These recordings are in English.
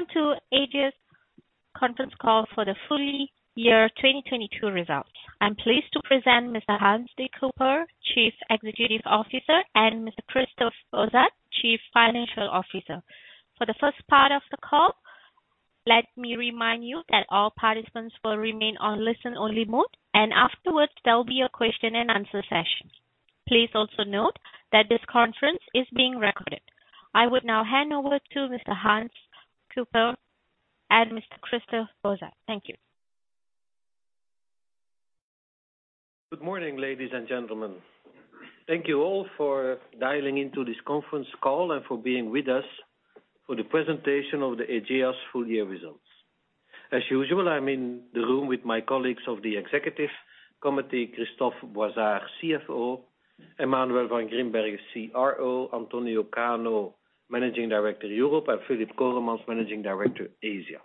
Welcome to Ageas conference call for the full year 2022 results. I'm pleased to present Mr. Hans De Cuyper, Chief Executive Officer, and Mr. Christophe Boizard, Chief Financial Officer. For the first part of the call, let me remind you that all participants will remain on listen-only mode. Afterwards, there'll be a question and answer session. Please also note that this conference is being recorded. I would now hand over to Mr. Hans De Cuyper and Mr. Christophe Boizard. Thank you. Good morning, ladies and gentlemen. Thank you all for dialing into this conference call and for being with us for the presentation of the Ageas full year results. As usual, I'm in the room with my colleagues of the Executive Committee, Christophe Boizard, CFO, Emmanuel Van Grimbergen, CRO, Antonio Cano, Managing Director, Europe, and Filip Coremans, Managing Director, Asia.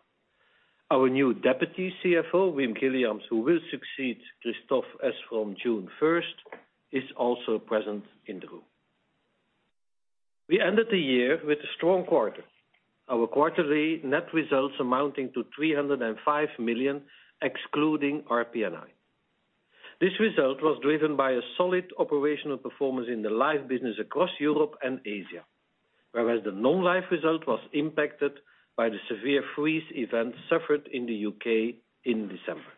Our new Deputy CFO, Wim Guilliams, who will succeed Christophe as from June first, is also present in the room. We ended the year with a strong quarter. Our quarterly net results amounting to 305 million, excluding RPN(i). This result was driven by a solid operational performance in the live business across Europe and Asia, whereas the non-life result was impacted by the severe freeze events suffered in the U.K. in December.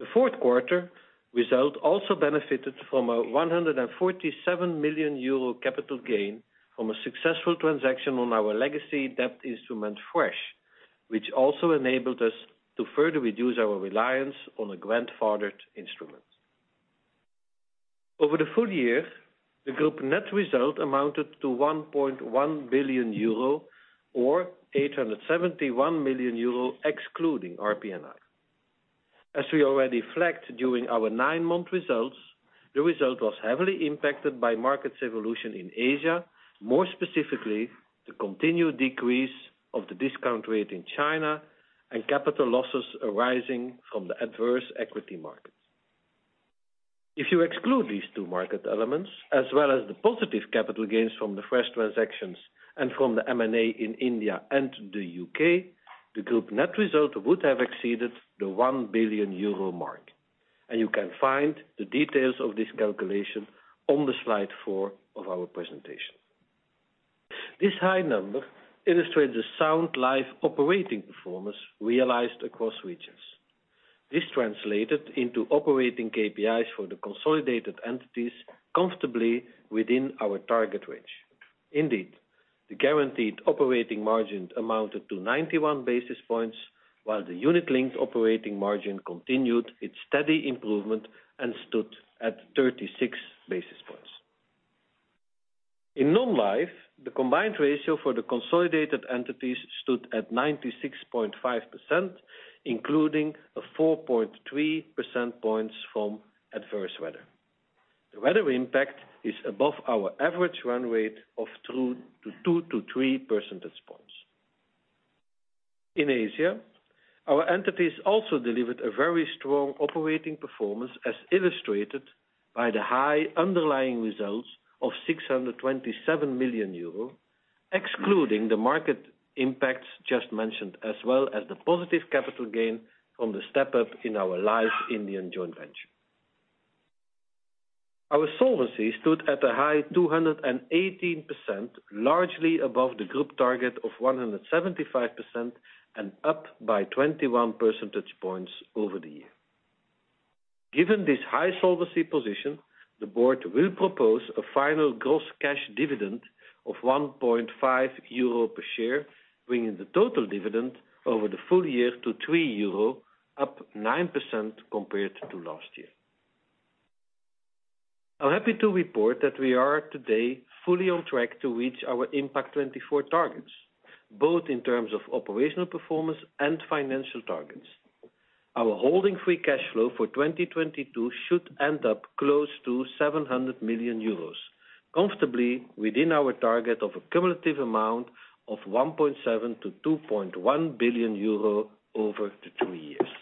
The fourth quarter result also benefited from a 147 million euro capital gain from a successful transaction on our legacy debt instrument, FRESH, which also enabled us to further reduce our reliance on a grandfathered instrument. Over the full year, the group net result amounted to 1.1 billion euro or 871 million euro excluding RPN(i). As we already flagged during our 9-month results, the result was heavily impacted by markets evolution in Asia, more specifically, the continued decrease of the discount rate in China and capital losses arising from the adverse equity market. If you exclude these two market elements as well as the positive capital gains from the FRESH transactions and from the M&A in India and the U.K., the group net result would have exceeded the 1 billion euro mark. You can find the details of this calculation on the slide 4 of our presentation. This high number illustrates the sound life operating performance realized across regions. This translated into operating KPIs for the consolidated entities comfortably within our target range. Indeed, the Guaranteed operating margin amounted to 91 basis points, while the Unit-Linked operating margin continued its steady improvement and stood at 36 basis points. In non-life, the Combined ratio for the consolidated entities stood at 96.5%, including a 4.3 percent points from adverse weather. The weather impact is above our average run rate of 2-3 percentage points. In Asia, our entities also delivered a very strong operating performance as illustrated by the high underlying results of 627 million euro, excluding the market impacts just mentioned, as well as the positive capital gain from the step-up in our live Indian joint venture. Our solvency stood at a high 218%, largely above the group target of 175% and up by 21 percentage points over the year. Given this high solvency position, the board will propose a final gross cash dividend of 1.5 euro per share, bringing the total dividend over the full year to 3 euro, up 9% compared to last year. I'm happy to report that we are today fully on track to reach our Impact24 targets, both in terms of operational performance and financial targets. Our Holding Free Cash Flow for 2022 should end up close to 700 million euros, comfortably within our target of a cumulative amount of 1.7 billion-2.1 billion euro over the three years.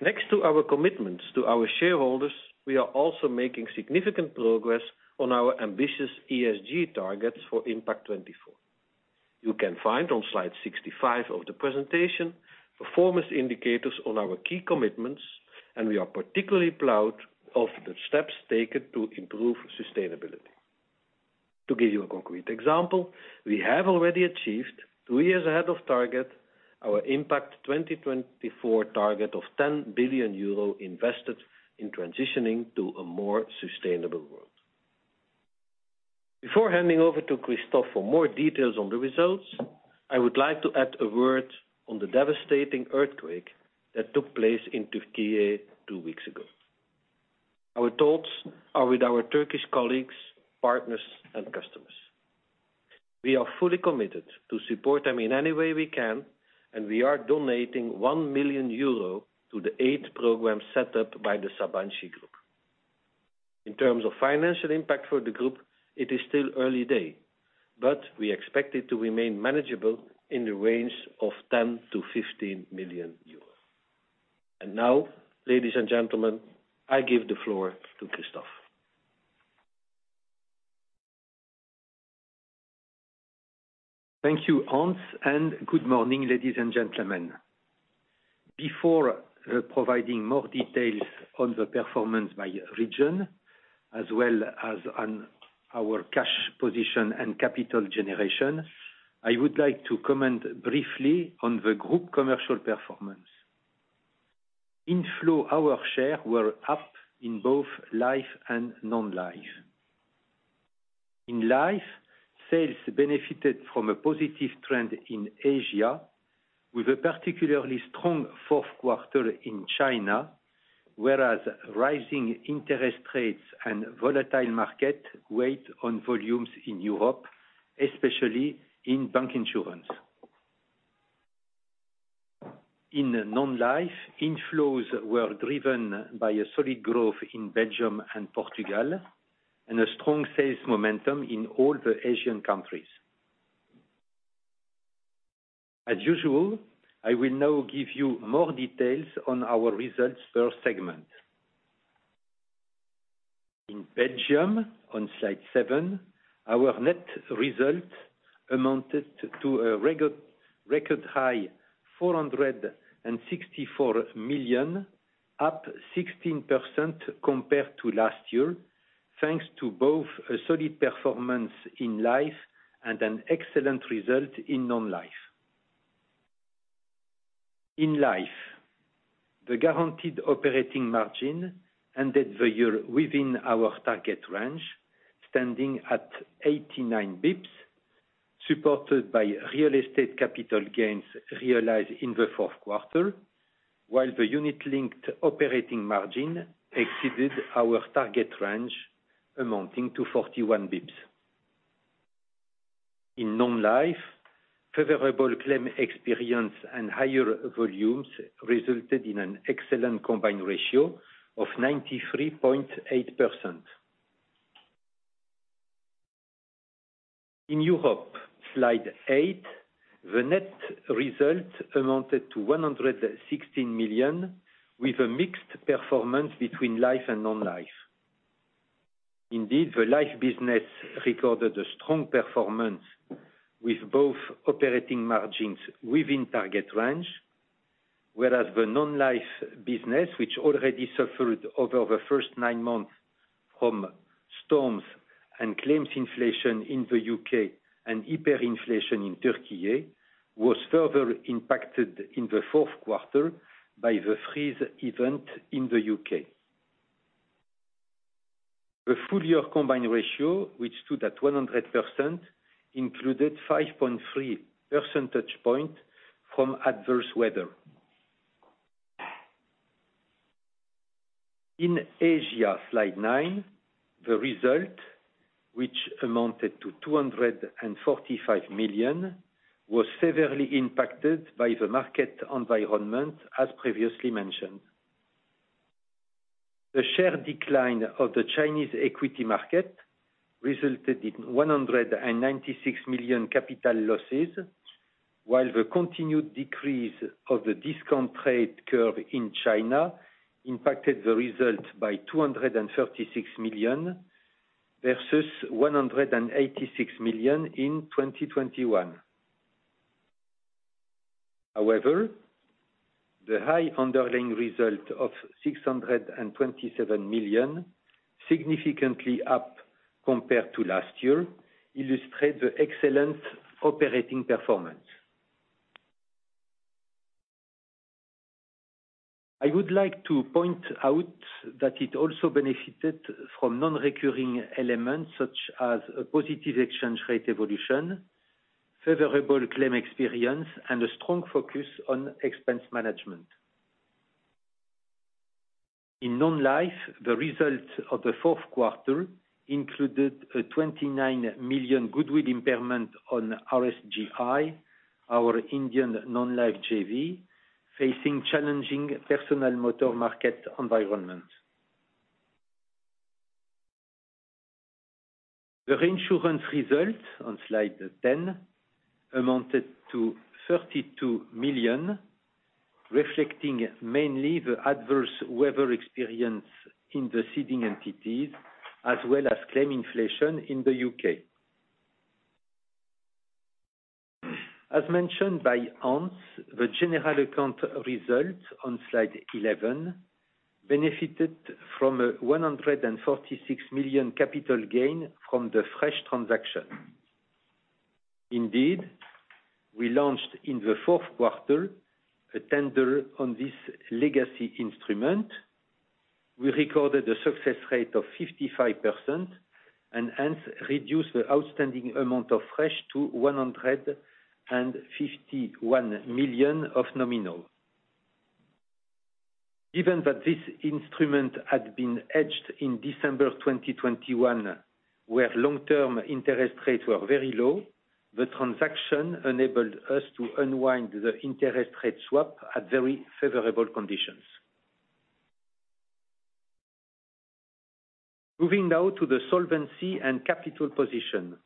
Next to our commitments to our shareholders, we are also making significant progress on our ambitious ESG targets for Impact24. You can find on slide 65 of the presentation, performance indicators on our key commitments, and we are particularly proud of the steps taken to improve sustainability. To give you a concrete example, we have already achieved two years ahead of target our Impact24 target of 10 billion euro invested in transitioning to a more sustainable world. Before handing over to Christophe for more details on the results, I would like to add a word on the devastating earthquake that took place in Türkiye two weeks ago. Our thoughts are with our Turkish colleagues, partners, and customers. We are fully committed to support them in any way we can, we are donating 1 million euro to the aid program set up by the Sabancı Group. In terms of financial impact for the group, it is still early day, we expect it to remain manageable in the range of 10 million-15 million euros. Now, ladies and gentlemen, I give the floor to Christophe. Thank you, Hans. Good morning, ladies and gentlemen. Before providing more details on the performance by region, as well as on our cash position and capital generation, I would like to comment briefly on the group commercial performance. Inflow hour share were up in both life and non-life. In life, sales benefited from a positive trend in Asia with a particularly strong fourth quarter in China, whereas rising interest rates and volatile market weighed on volumes in Europe, especially in bank insurance. In non-life, inflows were driven by a solid growth in Belgium and Portugal, and a strong sales momentum in all the Asian countries. As usual, I will now give you more details on our results per segment. In Belgium, on slide 7, our net result amounted to a record high 464 million, up 16% compared to last year, thanks to both a solid performance in Life and an excellent result in Non-Life. In Life, the Guaranteed operating margin ended the year within our target range, standing at 89 basis points, supported by real estate capital gains realized in the fourth quarter, while the Unit-Linked operating margin exceeded our target range, amounting to 41 basis points. In Non-Life, favorable claim experience and higher volumes resulted in an excellent Combined ratio of 93.8%. In Europe, slide 8, the net result amounted to 116 million, with a mixed performance between Life and Non-Life. The life business recorded a strong performance with both operating margins within target range, whereas the non-life business, which already suffered over the first nine months from storms and claims inflation in the U.K. and hyperinflation in Turkey, was further impacted in the fourth quarter by the freeze event in the U.K. The full year Combined ratio, which stood at 100%, included 5.3 percentage point from adverse weather. In Asia, slide 9, the result, which amounted to 245 million, was severely impacted by the market environment, as previously mentioned. The share decline of the Chinese equity market resulted in 196 million capital losses, while the continued decrease of the discount rate curve in China impacted the result by 236 million versus 186 million in 2021. The high underlying result of 627 million, significantly up compared to last year, illustrates the excellent operating performance. I would like to point out that it also benefited from non-recurring elements such as a positive exchange rate evolution, favorable claim experience, and a strong focus on expense management. In non-life, the results of the fourth quarter included a 29 million goodwill impairment on RSGI, our Indian non-life JV, facing challenging personal motor market environment. The reinsurance result, on slide 10, amounted to 32 million, reflecting mainly the adverse weather experience in the ceding entities, as well as claim inflation in the U.K. As mentioned by Hans, the general account result, on slide 11, benefited from a 146 million capital gain from the FRESH transaction. We launched in the fourth quarter a tender on this legacy instrument. We recorded a success rate of 55% and hence reduced the outstanding amount of FRESH to 151 million of nominal. Given that this instrument had been hedged in December 2021, where long-term interest rates were very low, the transaction enabled us to unwind the interest rate swap at very favorable conditions. Moving now to the solvency and capital position.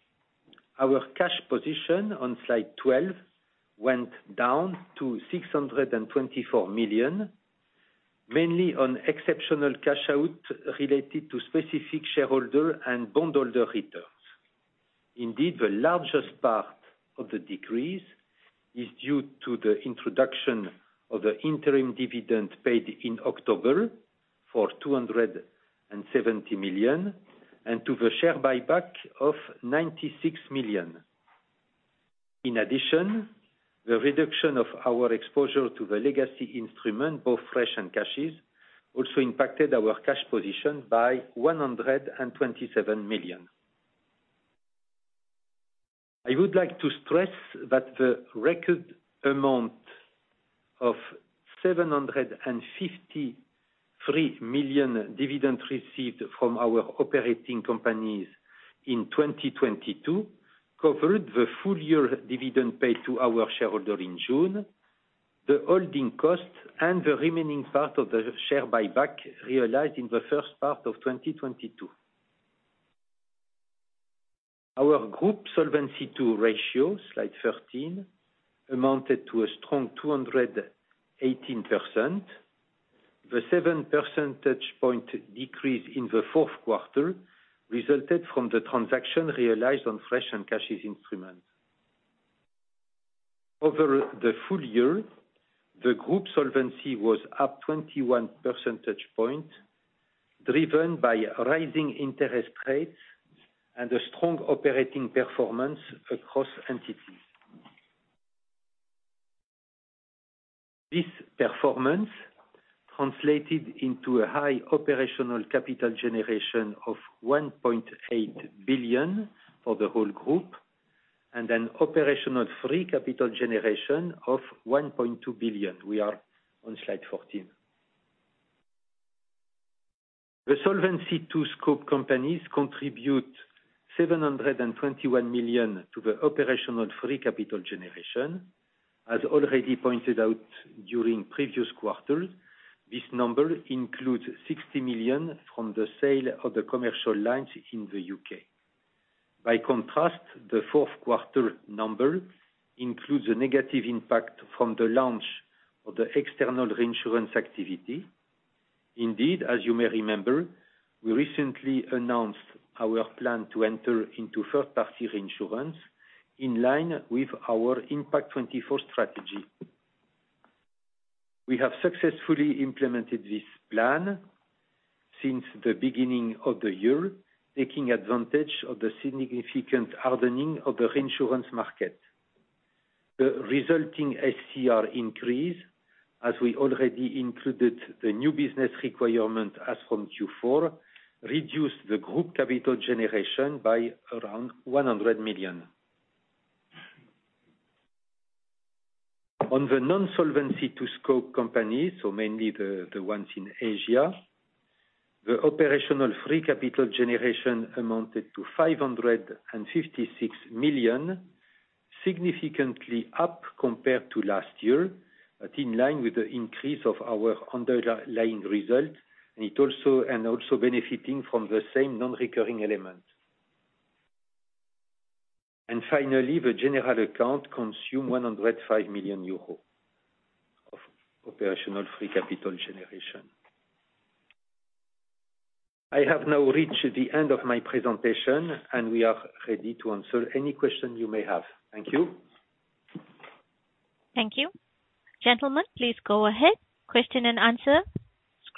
Our cash position on slide 12 went down to 624 million, mainly on exceptional cash out related to specific shareholder and bondholder returns. Indeed, the largest part of the decrease is due to the introduction of the interim dividend paid in October for 270 million and to the share buyback of 96 million. In addition, the reduction of our exposure to the legacy instrument, both FRESH and CASHES, also impacted our cash position by 127 million. I would like to stress that the record amount of 753 million dividend received from our operating companies in 2022 covered the full year dividend paid to our shareholder in June, the holding costs and the remaining part of the share buyback realized in the first part of 2022. Our group Solvency II ratio, slide thirteen, amounted to a strong 218%. The 7 percentage point decrease in the fourth quarter resulted from the transaction realized on FRESH and CASHES instruments. Over the full year, the group solvency was up 21 percentage point, driven by rising interest rates and a strong operating performance across entities. This performance translated into a high Operational Capital Generation of 1.8 billion for the whole group, and an Operational Free Capital Generation of 1.2 billion. We are on slide fourteen. The Solvency II scope companies contribute 721 million to the Operational Free Capital Generation. As already pointed out during previous quarters, this number includes 60 million from the sale of the commercial lines in the U.K. The fourth quarter number includes a negative impact from the launch of the external reinsurance activity. As you may remember, we recently announced our plan to enter into third-party reinsurance in line with our Impact24 strategy. We have successfully implemented this plan since the beginning of the year, taking advantage of the significant hardening of the reinsurance market. The resulting SCR increase, as we already included the new business requirement as from Q4, reduced the group capital generation by around 100 million. On the non-Solvency II scope companies, so mainly the ones in Asia, the Operational Free Capital Generation amounted to 556 million, significantly up compared to last year, but in line with the increase of our underlying result, and also benefiting from the same non-recurring elements. Finally, the general account consumed 105 million euros of Operational Free Capital Generation. I have now reached the end of my presentation. We are ready to answer any question you may have. Thank you. Thank you. Gentlemen, please go ahead. Question and answer.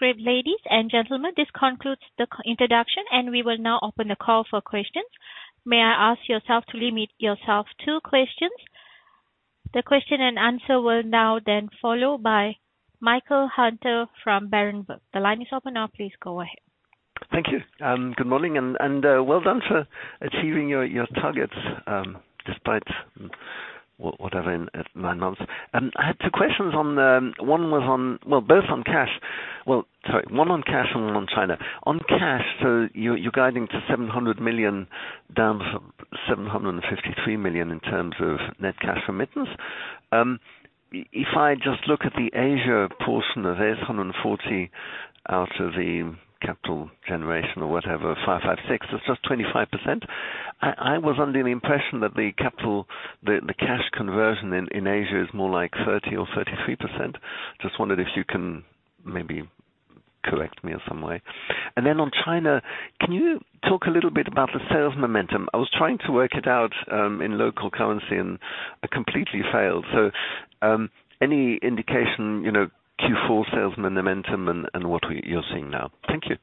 Script ladies and gentlemen, this concludes the introduction, and we will now open the call for questions. May I ask yourself to limit yourself 2 questions? The question and answer will now then follow by Michael Huttner from Berenberg. The line is open now, please go ahead. Thank you. Good morning and well done for achieving your targets despite whatever in nine months. I had two questions, one on cash and one on China. On cash, you're guiding to 700 million down from 753 million in terms of net cash remittance. If I just look at the Asia portion of it's 140 million out of the capital generation or whatever, 556 million, it's just 25%. I was under the impression that the capital, the cash conversion in Asia is more like 30% or 33%. Just wondered if you can maybe correct me in some way. On China, can you talk a little bit about the sales momentum? I was trying to work it out in local currency and I completely failed. Any indication, you know, Q4 sales momentum and what you're seeing now? Thank you.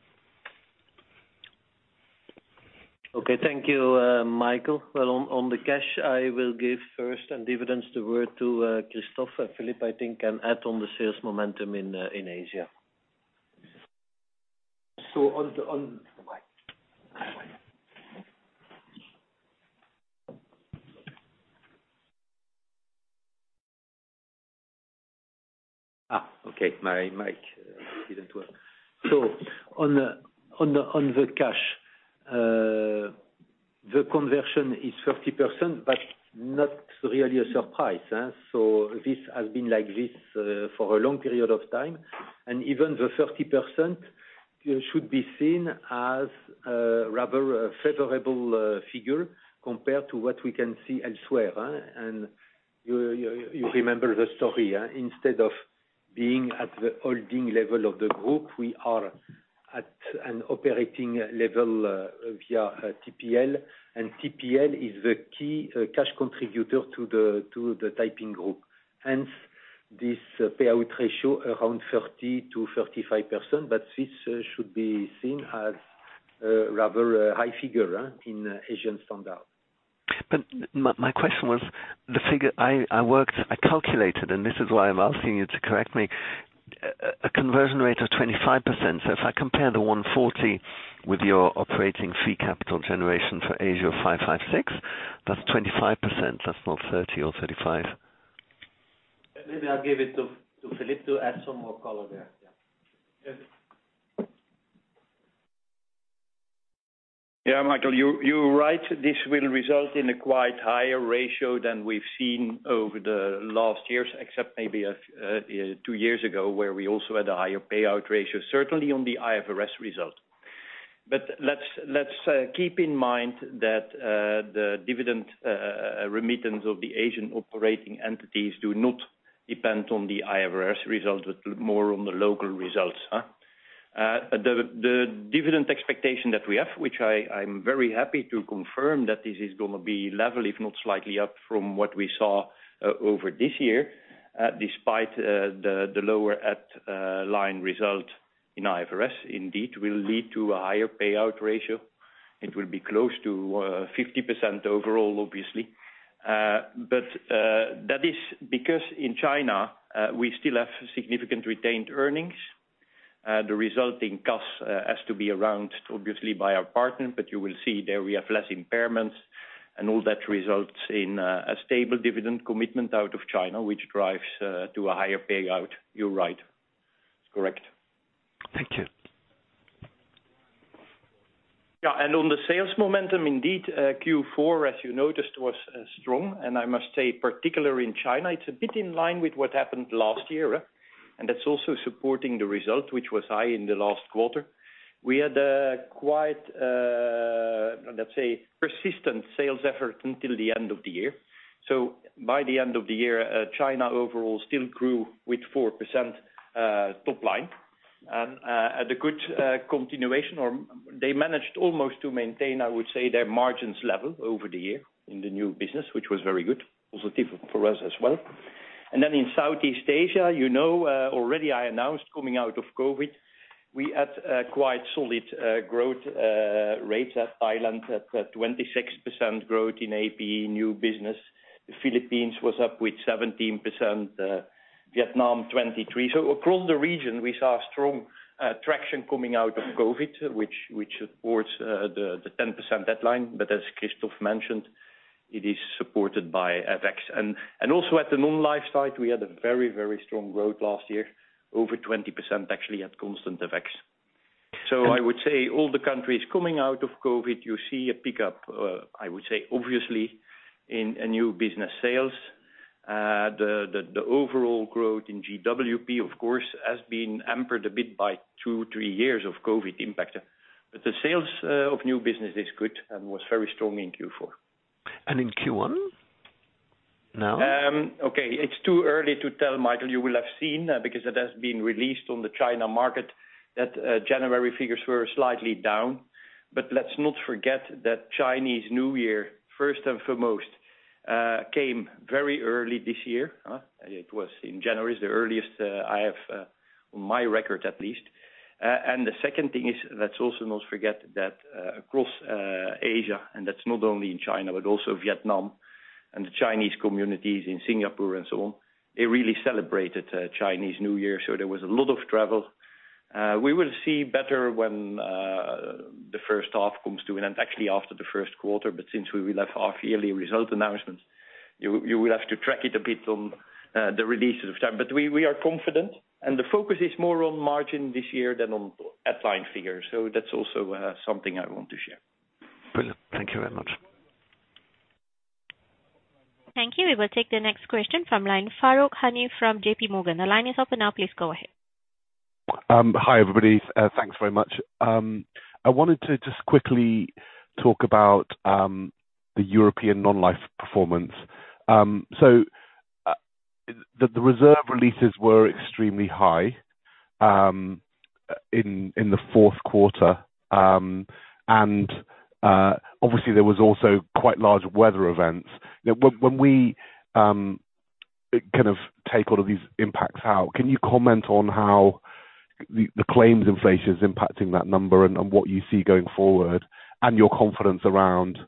Okay, thank you, Michael. Well, on the cash, I will give first on dividends the word to Christophe Boizard, and Filip Coremans I think can add on the sales momentum in Asia. Okay. My mic didn't work. On the cash, the conversion is 50%, but not really a surprise. This has been like this for a long period of time, and even the 30% should be seen as a rather favorable figure compared to what we can see elsewhere. You remember the story. Instead of being at the holding level of the group, we are at an operating level via TPL. TPL is the key cash contributor to the Taiping group. Hence, this payout ratio around 30%-35%. This should be seen as a rather high figure in Asian standard. My question was the figure I worked, I calculated, and this is why I'm asking you to correct me. A conversion rate of 25%. So if I compare the 140 with your Operational Free Capital Generation for Asia, 556, that's 25%. That's not 30% or 35%. Maybe I'll give it to Filip to add some more color there. Yeah. Michael, you're right. This will result in a quite higher ratio than we have seen over the last years, except maybe two years ago, where we also had a higher payout ratio, certainly on the IFRS result. Let's keep in mind that the dividend remittance of the Asian operating entities do not depend on the IFRS result, but more on the local results. The dividend expectation that we have, which I'm very happy to confirm that this is going to be level if not slightly up from what we saw over this year, despite the lower at line result in IFRS, indeed will lead to a higher payout ratio. It will be close to 50% overall, obviously. That is because in China, we still have significant retained earnings. The resulting costs, has to be around obviously by our partners. You will see there we have less impairments, and all that results in, a stable dividend commitment out of China, which drives, to a higher payout. You're right. Correct. Thank you. Yeah. On the sales momentum, indeed, Q4, as you noticed, was strong, and I must say particularly in China, it's a bit in line with what happened last year. That's also supporting the result, which was high in the last quarter. We had a quite, let's say, persistent sales effort until the end of the year. So by the end of the year, China overall still grew with 4% top line. At a good continuation or they managed almost to maintain, I would say, their margins level over the year in the new business, which was very good, positive for us as well. In Southeast Asia, you know, already I announced coming out of COVID, we had a quite solid growth rates at Thailand at 26% growth in APE new business. The Philippines was up with 17%, Vietnam 23%. Across the region, we saw strong traction coming out of COVID, which supports the 10% deadline. As Christophe mentioned, it is supported by FX. Also at the non-life side, we had a very strong growth last year, over 20% actually at constant FX. I would say all the countries coming out of COVID, you see a pickup, obviously in a new business sales. The overall growth in GWP, of course, has been hampered a bit by 2, 3 years of COVID impact. The sales of new business is good and was very strong in Q4. In Q1 now? Okay. It's too early to tell, Michael. You will have seen, because it has been released on the China market, that January figures were slightly down. Let's not forget that Chinese New Year, first and foremost, came very early this year. It was in January, the earliest I have on my record at least. The second thing is, let us also not forget that across Asia, and that's not only in China, but also Vietnam and the Chinese communities in Singapore and so on, they really celebrated Chinese New Year. There was a lot of travel. We will see better when the first half comes to an end, actually after the first quarter. Since we will have our yearly result announcements, you will have to track it a bit on the releases of time. We are confident, and the focus is more on margin this year than on at line figures. That's also something I want to share. Brilliant. Thank you very much. Thank you. We will take the next question from line Farooq Hanif from J.P. Morgan. The line is open now. Please go ahead. Hi, everybody. Thanks very much. I wanted to just quickly talk about the European non-life performance. The reserve releases were extremely high in the fourth quarter. Obviously, there was also quite large weather events. Now, when we kind of take all of these impacts out, can you comment on how the claims inflation is impacting that number and what you see going forward and your confidence around,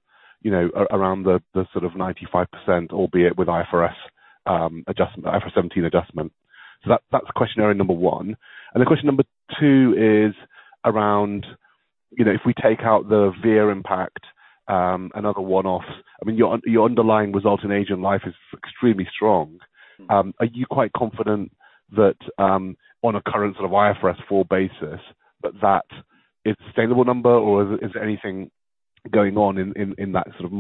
you know, around the sort of 95%, albeit with IFRS adjustment, IFRS 17 adjustment. That, that's question area number 1. Question number 2 is around, you know, if we take out the VIR impact, another one-off, I mean, your underlying result in Ageas Life is extremely strong. Are you quite confident that on a current sort of IFRS 4 basis, that is a sustainable number or is there anything going on in that sort of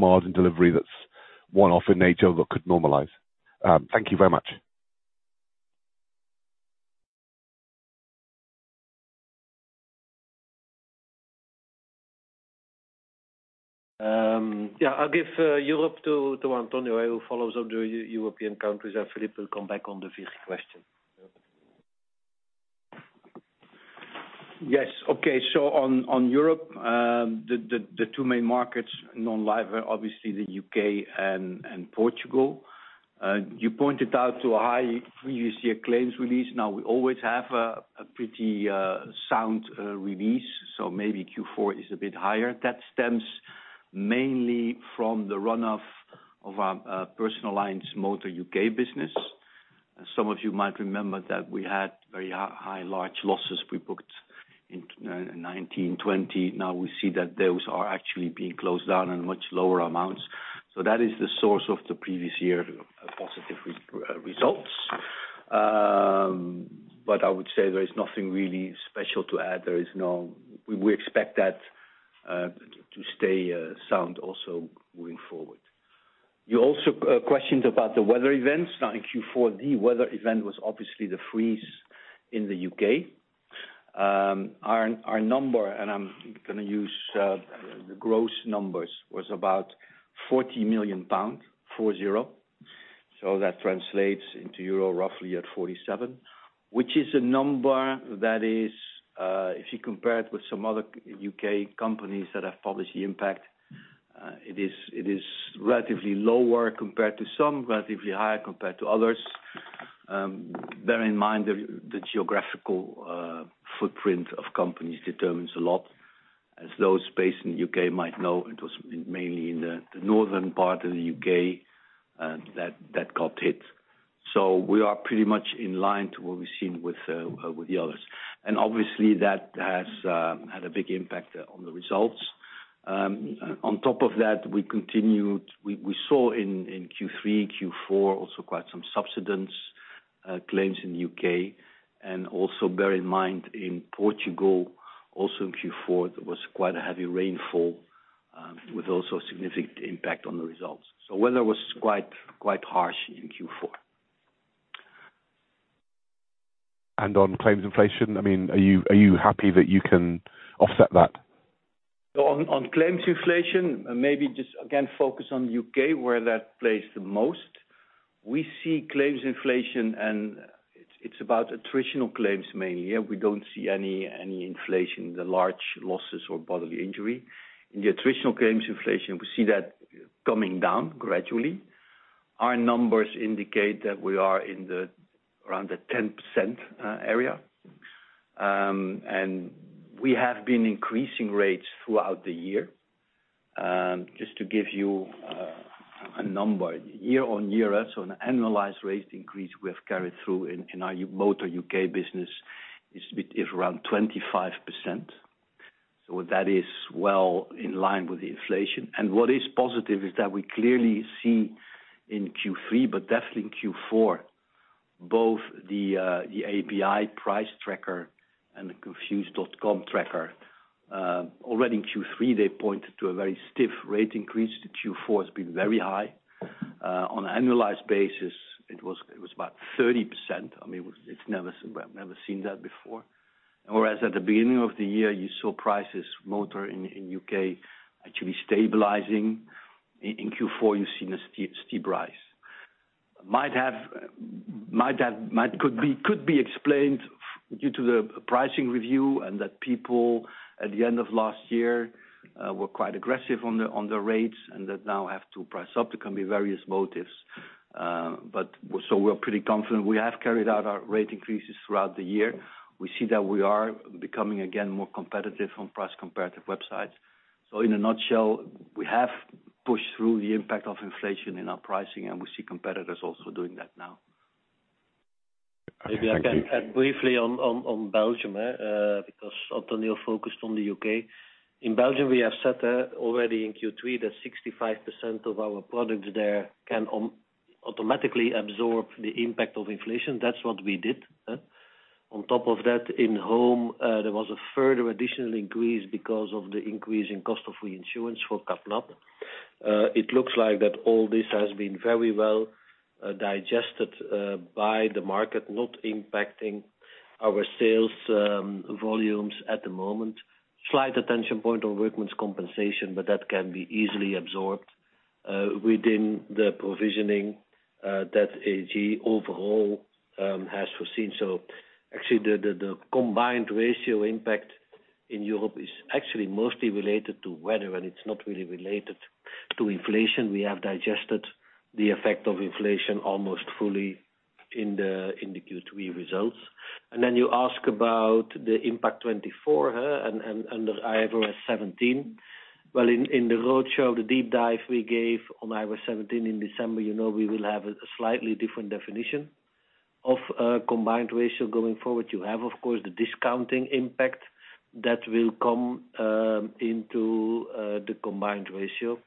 margin delivery that's one-off in nature that could normalize? Thank you very much. Yeah, I'll give Europe to Antonio who follows up the European countries, and Filip will come back on the fifth question. Yes. Okay. On Europe, the two main markets non-life are obviously the UK and Portugal. You pointed out to a high previous year claims release. We always have a pretty sound release. Maybe Q4 is a bit higher. That stems mainly from the run off of our personal lines motor UK business. Some of you might remember that we had very high large losses we booked in 1920. Now we see that those are actually being closed down in much lower amounts. That is the source of the previous year positive results. I would say there is nothing really special to add. We expect that to stay sound also moving forward. You also questioned about the weather events. In Q4, the weather event was obviously the freeze in the UK. Our number, and I'm gonna use the gross numbers, was about 40 million pounds. That translates into EUR roughly at 47, which is a number that is, if you compare it with some other UK companies that have published the impact, it is relatively lower compared to some, relatively higher compared to others. Bear in mind the geographical footprint of companies determines a lot, as those based in UK might know it was in mainly in the northern part of the UK that got hit. We are pretty much in line to what we've seen with the others. Obviously that has had a big impact on the results. On top of that, we continue, we saw in Q3, Q4 also quite some subsidence claims in the UK. Also bear in mind, in Portugal, also in Q4, there was quite a heavy rainfall, with also a significant impact on the results. Weather was quite harsh in Q4. On claims inflation, I mean, are you happy that you can offset that? On claims inflation, maybe just again, focus on U.K. where that plays the most. We see claims inflation and it's about attritional claims mainly. Yeah, we don't see any inflation in the large losses or bodily injury. In the attritional claims inflation, we see that coming down gradually. Our numbers indicate that we are in the, around the 10% area. We have been increasing rates throughout the year. Just to give you a number, year on year, so an annualized rate increase we have carried through in our motor U.K. business is around 25%. That is well in line with the inflation. What is positive is that we clearly see in Q3, but definitely in Q4, both the API price tracker and the Confused.com tracker, already in Q3, they pointed to a very stiff rate increase. The Q4 has been very high. On an annualized basis it was about 30%. I mean, it's never I have never seen that before. Whereas at the beginning of the year, you saw prices motor in U.K. actually stabilizing. In Q4 you have seen a steep rise. Might have could be explained due to the pricing review and that people at the end of last year were quite aggressive on the rates and that now have to price up. There can be various motives. We're pretty confident. We have carried out our rate increases throughout the year. We see that we are becoming, again, more competitive on price competitive websites. In a nutshell, we have pushed through the impact of inflation in our pricing, and we see competitors also doing that now. Okay. Thank you. Maybe I can add briefly on Belgium, because Antonio focused on the UK. In Belgium, we have said that already in Q3 that 65% of our products there can automatically absorb the impact of inflation. That's what we did. On top of that, in home, there was a further additional increase because of the increase in cost of reinsurance for CatNat. It looks like that all this has been very well digested by the market, not impacting our sales volumes at the moment. Slight attention point on Workers' Compensation. That can be easily absorbed within the provisioning that AG overall has foreseen. Actually the combined ratio impact in Europe is actually mostly related to weather, it's not really related to inflation. We have digested the effect of inflation almost fully in the Q3 results. You ask about the Impact24 and under IFRS 17. In the roadshow, the deep dive we gave on IFRS 17 in December, you know, we will have a slightly different definition of combined ratio going forward. You have, of course, the discounting impact that will come into the combined ratio.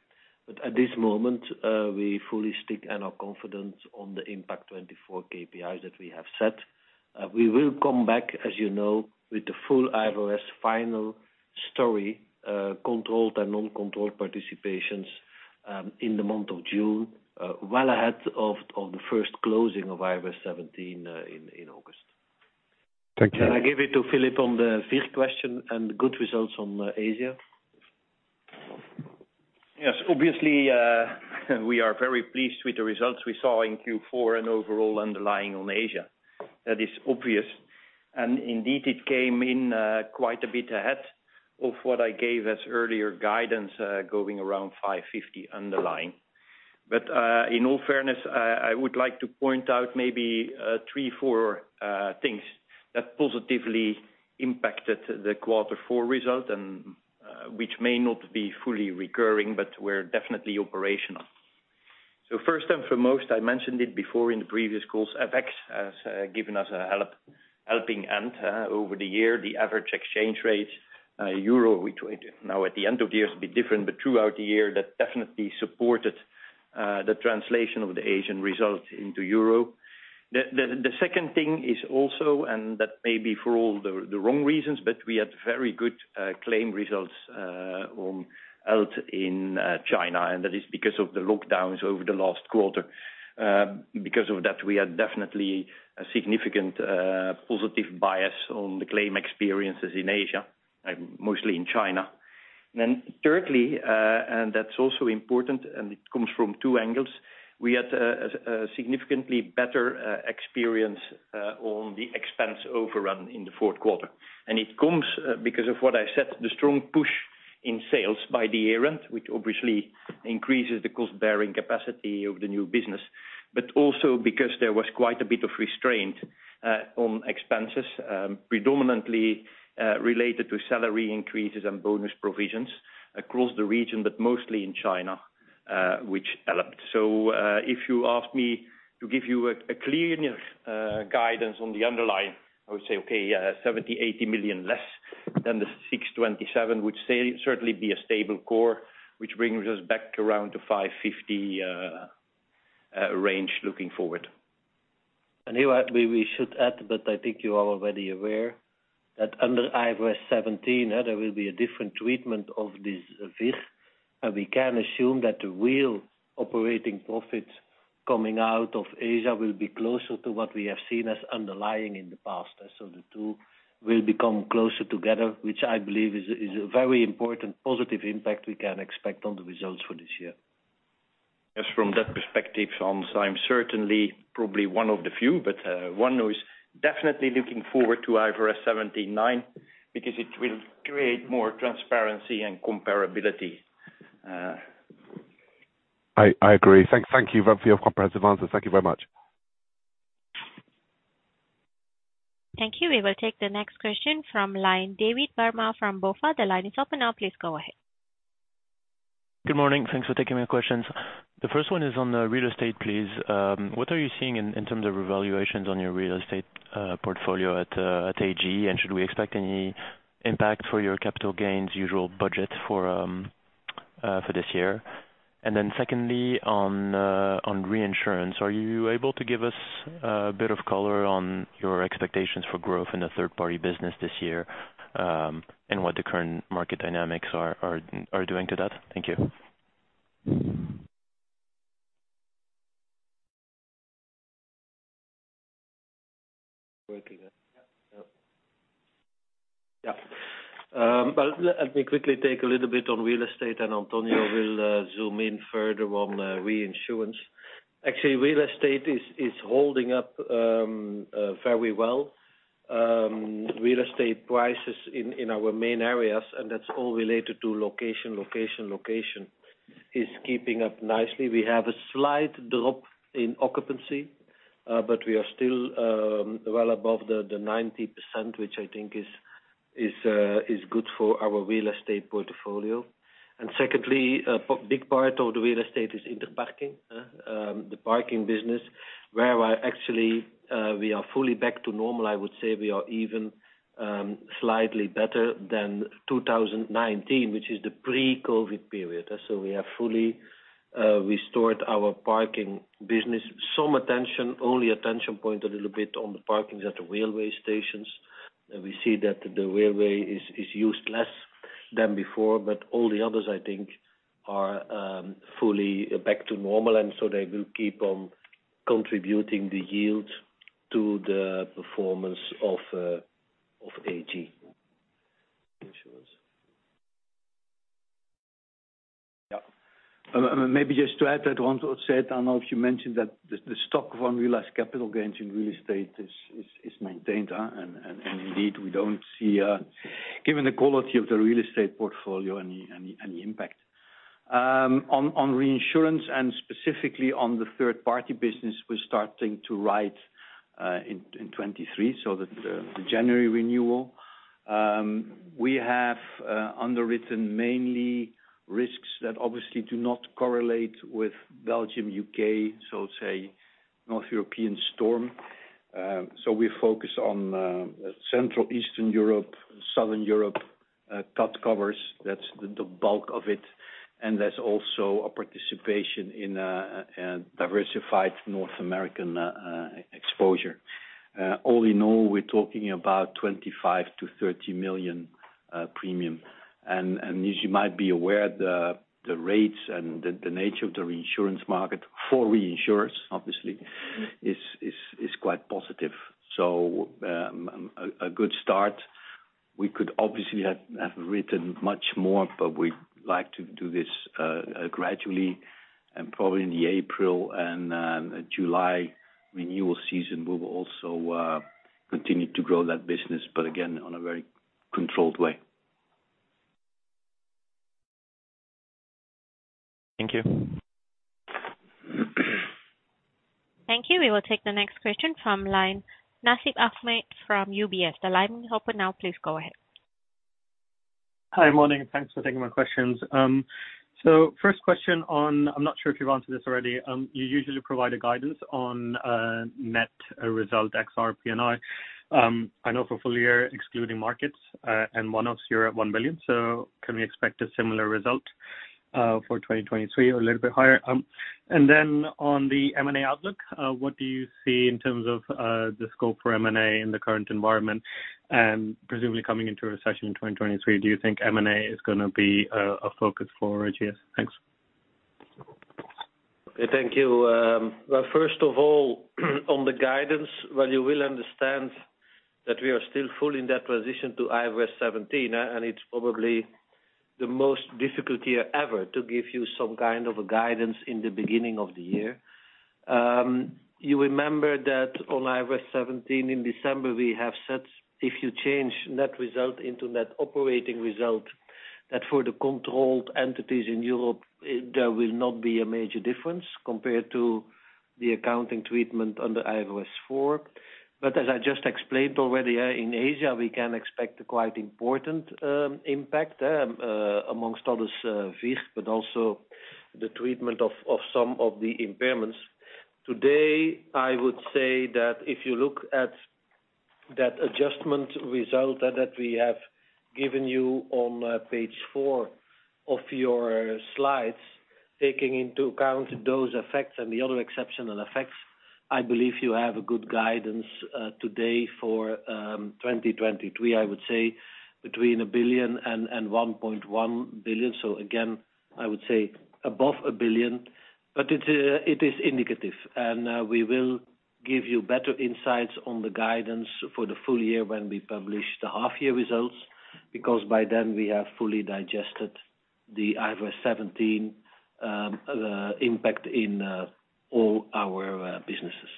At this moment, we fully stick and are confident on the Impact24 KPIs that we have set. We will come back, as you know, with the full IFRS final story, controlled and uncontrolled participations, in the month of June, well ahead of the first closing of IFRS 17 in August. Thank you. Can I give it to Filip on the fifth question and the good results on Asia. Yes. Obviously, we are very pleased with the results we saw in Q4 and overall underlying on Ageas. That is obvious. Indeed, it came in quite a bit ahead of what I gave as earlier guidance, going around 550 underlying. In all fairness, I would like to point out maybe three, four things that positively impacted the quarter four result and, which may not be fully recurring, but were definitely operational. First and foremost, I mentioned it before in the previous calls, FX has given us a help, helping hand, over the year. The average exchange rate, euro, which would now at the end of year is a bit different, but throughout the year, that definitely supported the translation of the Ageas results into euro. The second thing is also, and that may be for all the wrong reasons, but we had very good claim results on health in China, and that is because of the lockdowns over the last quarter. Because of that, we had definitely a significant positive bias on the claim experiences in Asia, mostly in China. Thirdly, and that's also important, and it comes from two angles. We had a significantly better experience on the expense overrun in the fourth quarter. It comes because of what I said, the strong push in sales by the year-end, which obviously increases the cost-bearing capacity of the new business, but also because there was quite a bit of restraint on expenses, predominantly related to salary increases and bonus provisions across the region, but mostly in China, which helped. So if you ask me to give you a clear guidance on the underlying, I would say, okay, 70 million-80 million less than the 627 would certainly be a stable core, which brings us back around to 550 range looking forward. Here we should add, but I think you are already aware, that under IFRS 17, there will be a different treatment of this VIR. We can assume that the real operating profits coming out of Asia will be closer to what we have seen as underlying in the past. So the two will become closer together, which I believe is a very important positive impact we can expect on the results for this year. From that perspective, Hans, I'm certainly probably one of the few, but one who is definitely looking forward to IFRS 17 9 because it will create more transparency and comparability. I agree. Thank you for your comprehensive answers. Thank you very much. Thank you. We will take the next question from line David Barma from BofA. The line is open now. Please go ahead. Good morning. Thanks for taking my questions. The first one is on real estate, please. What are you seeing in terms of evaluations on your real estate portfolio at AG? Should we expect any impact for your capital gains usual budget for this year? Secondly, on reinsurance, are you able to give us a bit of color on your expectations for growth in the third-party business this year, and what the current market dynamics are doing to that? Thank you. Working. Yeah. Let me quickly take a little bit on real estate, and Antonio will zoom in further on reinsurance. Real estate is holding up very well. Real estate prices in our main areas, and that is all related to location, location, is keeping up nicely. We have a slight drop in occupancy, but we are still well above the 90%, which I think is good for our real estate portfolio. Secondly, a big part of the real estate is Interparking, the parking business, where actually we are fully back to normal. I would say we are even slightly better than 2019, which is the pre-COVID period. We have fully restored our parking business. Some attention, only attention point a little bit on the parkings at the railway stations. We see that the railway is used less than before, but all the others, I think, are fully back to normal. They will keep on contributing the yield to the performance of AG Insurance. Maybe just to add that once you said, I know you mentioned that the stock of unrealized capital gains in real estate is maintained, and indeed, we don't see, given the quality of the real estate portfolio, any impact. On reinsurance and specifically on the third-party business, we're starting to ride in 2023, so that the January renewal. We have underwritten mainly risks that obviously do not correlate with Belgium, U.K., so say North European storm. We focus on Central Eastern Europe, Southern Europe, top covers. That's the bulk of it, and there's also a participation in diversified North American exposure. All in all, we're talking about 25 million-30 million premium. As you might be aware, the rates and the nature of the reinsurance market for reinsurers obviously is quite positive. A good start. We could obviously have written much more, but we like to do this gradually and probably in the April and July renewal season, we will also continue to grow that business but again, on a very controlled way. Thank you. Thank you. We will take the next question from Nasib Ahmed from UBS. The line is open now, please go ahead. Hi, morning, thanks for taking my questions. First question on, I'm not sure if you have answered this already. You usually provide a guidance on net result RPN(i). I know for full year excluding markets and one-offs, you are at 1 billion, can we expect a similar result for 2023 or a little bit higher? And then on the M&A outlook, what do you see in terms of the scope for M&A in the current environment? Presumably coming into a recession in 2023, do you think M&A is gonna be a focus for Ageas? Thanks. Thank you. Well, first of all, on the guidance, well, you will understand that we are still fully in that transition to IFRS 17 and it's probably the most difficult year ever to give you some kind of a guidance in the beginning of the year. You remember that on IFRS 17 in December, we have said if you change net result into net operating result, that for the controlled entities in Europe, there will not be a major difference compared to the accounting treatment under IFRS 4. As I just explained already, in Asia, we can expect a quite important impact amongst others, but also the treatment of some of the impairments. Today, I would say that if you look at that adjustment result that we have given you on page 4 of your slides, taking into account those effects and the other exceptional effects, I believe you have a good guidance today for 2023. I would say between 1 billion and 1.1 billion. Again, I would say above 1 billion. But it is indicative, and we will give you better insights on the guidance for the full year when we publish the half year results, because by then, we have fully digested the IFRS 17 impact in all our businesses.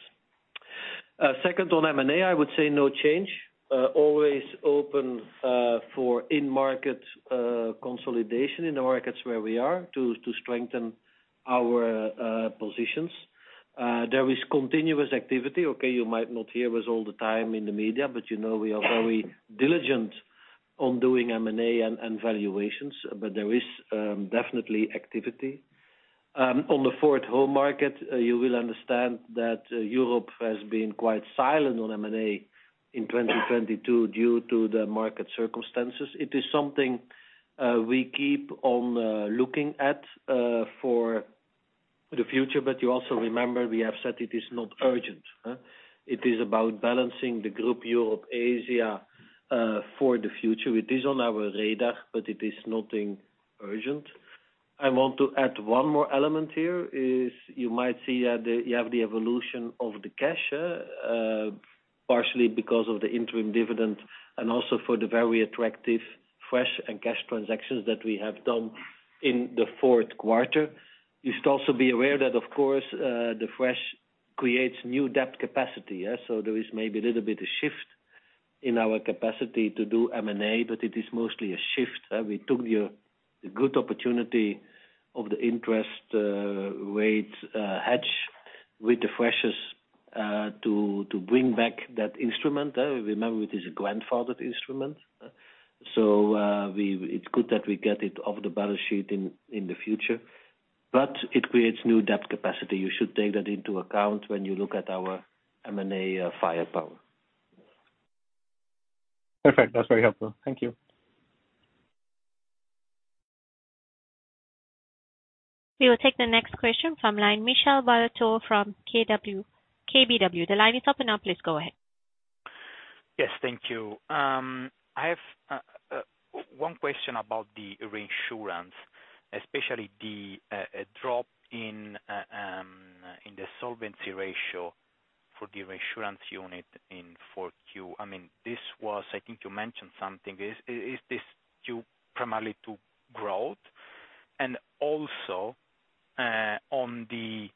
Second, on M&A, I would say no change. Always open for in-market consolidation in the markets where we are to strengthen our positions. There is continuous activity. Okay, you might not hear us all the time in the media, but, you know, we are very diligent on doing M&A and valuations. There is definitely activity. On the fourth home market, you will understand that Europe has been quite silent on M&A in 2022 due to the market circumstances. It is something we keep on looking at for the future. But you also remember we have said it is not urgent, huh? It is about balancing the Group Europe, Asia, for the future. It is on our radar, but it is nothing urgent. I want to add one more element here, is you might see, you have the evolution of the CASHES, partially because of the interim dividend and also for the very attractive FRESH and CASHES transactions that we have done in the fourth quarter. You should also be aware that, of course, the FRESH creates new debt capacity, yeah. There is maybe a little bit of shift in our capacity to do M&A, but it is mostly a shift. We took the good opportunity of the interest, rate, hedge with the FRESHes, to bring back that instrument. Remember it is a grandfathered instrument. So it's good that we get it off the balance sheet in the future, but it creates new debt capacity. You should take that into account when you look at our M&A, firepower. Perfect. That's very helpful. Thank you. We will take the next question from line, Michel Malato from KBW. The line is open now, please go ahead. Yes, thank you. I have one question about the reinsurance, especially the a drop in the solvency ratio for the reinsurance unit in 4Q. I mean, this was, I think you mentioned something. Is this due primarily to growth? Also on the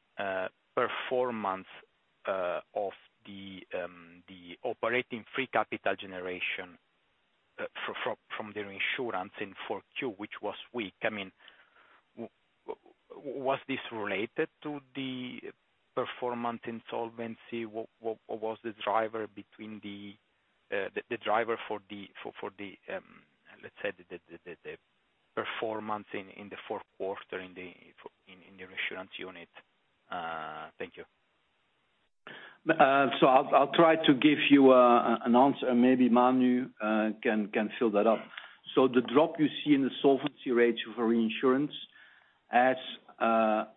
performance of the Operational Free Capital Generation from the reinsurance in 4Q, which was weak. I mean, was this related to the performance insolvency? What was the driver between the driver for the, let's say the... Performance in the fourth quarter in the reinsurance unit. Thank you. I'll try to give you an answer, maybe Emmanuel can fill that up. So the drop you see in the solvency rates for reinsurance has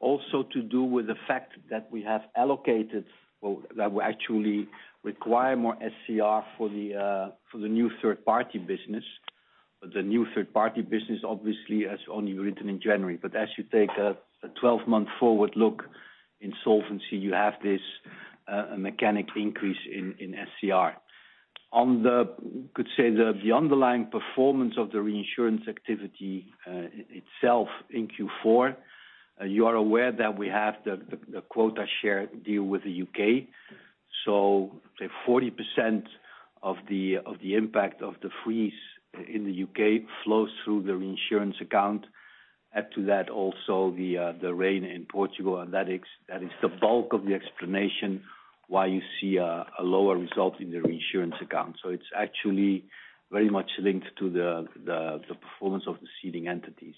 also to do with the fact that we have allocated, or that we actually require more SCR for the new third party business. The new third party business obviously has only written in January. As you take a 12-month forward look in solvency, you have this mechanic increase in SCR. On the, could say the underlying performance of the reinsurance activity itself in Q4, you are aware that we have the quota share deal with the UK. S i 40% of the impact of the freeze in the UK flows through the reinsurance account. Add to that also the rain in Portugal, and that is the bulk of the explanation why you see a lower result in the reinsurance account. It's actually very much linked to the performance of the ceding entities.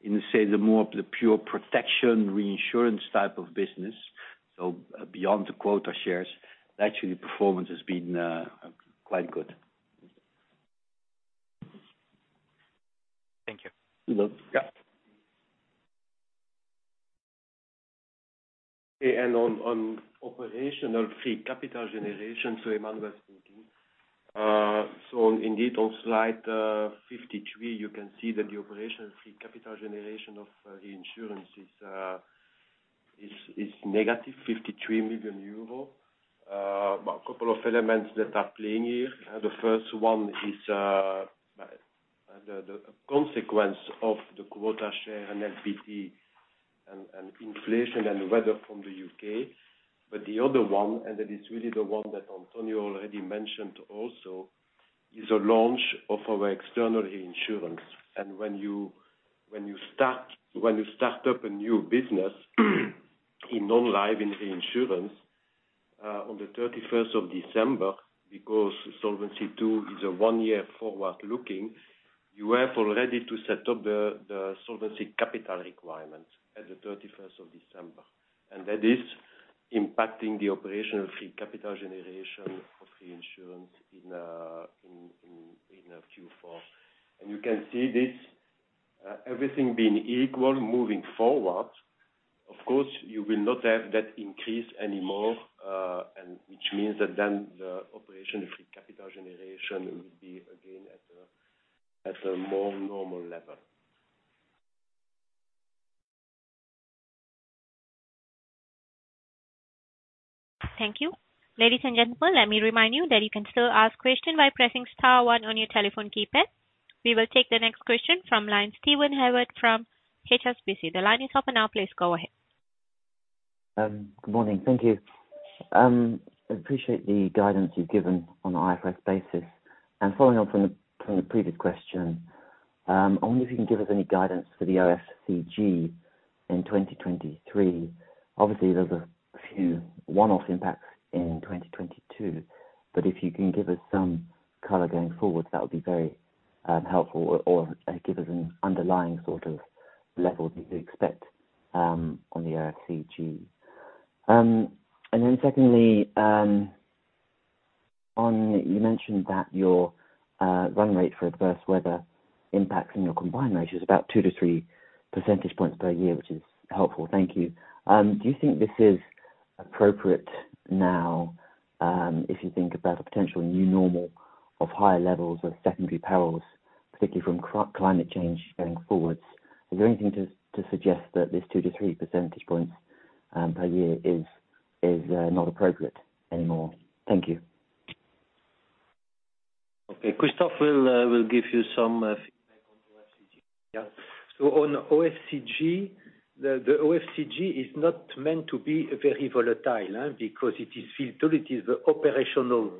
In say, the more of the pure protection reinsurance type of business, so beyond the quota shares, actually performance has been quite good. Thank you. You're welcome. Yeah. On Operational Free Capital Generation, so Emmanuel is speaking. Indeed on slide 53, you can see that the Operational Free Capital Generation of reinsurance is negative 53 million euro. A couple of elements that are playing here. The first one is the consequence of the quota share and LPT and inflation and weather from the UK. The other one, and that is really the one that Antonio already mentioned also, is the launch of our external reinsurance. When you start up a new business in non-life insurance, on the 31st of December, because Solvency II is a 1 year forward looking, you have already to set up the solvency capital requirements at the 31st of December. That is impacting the Operational Free Capital Generation of reinsurance in Q4. You can see this, everything being equal moving forward, of course you will not have that increase anymore, and which means that then the Operational Free Capital Generation will be again at a more normal level. Thank you. Ladies and gentlemen, let me remind you that you can still ask question by pressing star one on your telephone keypad. We will take the next question from line Steven Haywood from HSBC. The line is open now, please go ahead. Good morning. Thank you. Appreciate the guidance you've given on the IFRS basis. Following up from the, from the previous question, I wonder if you can give us any guidance for the OFCG in 2023. Obviously, there is a few one-off impacts in 2022, but if you can give us some color going forward, that would be very helpful or give us an underlying sort of level we could expect on the OFCG. Secondly, You mentioned that your run rate for adverse weather impacts in your combined ratio is about two to three percentage points per year, which is helpful. Thank you. Do you think this is appropriate now, if you think about a potential new normal of higher levels of secondary perils, particularly from climate change going forwards? Is there anything to suggest that this 2-3 percentage points per year is not appropriate anymore? Thank you. Okay. Christophe will give you some feedback on the OFCG. On OFCG, the OFCG is not meant to be very volatile because it is filtered. It is the Operational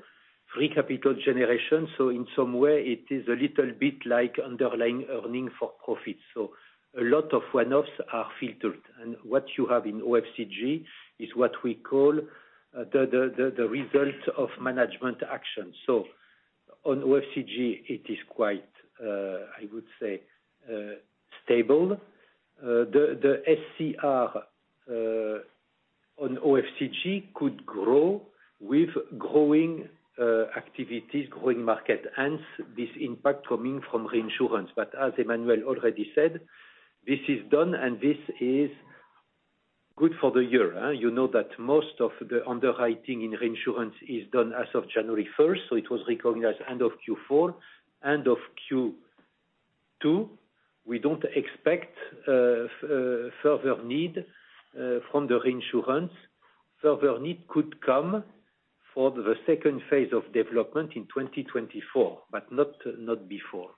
Free Capital Generation. In some way, it is a little bit like underlying earning for profit. A lot of one-offs are filtered. What you have in OFCG is what we call the result of management action. So on OFCG it is quite stable. The SCR on OFCG could grow with growing activities, growing market, hence this impact coming from reinsurance. As Emmanuel already said, this is done, and this is good for the year. You know that most of the underwriting in reinsurance is done as of January first, so it was recognized end of Q4. End of Q2, we don't expect further need from the reinsurance. Further need could come for the second phase of development in 2024, but not before.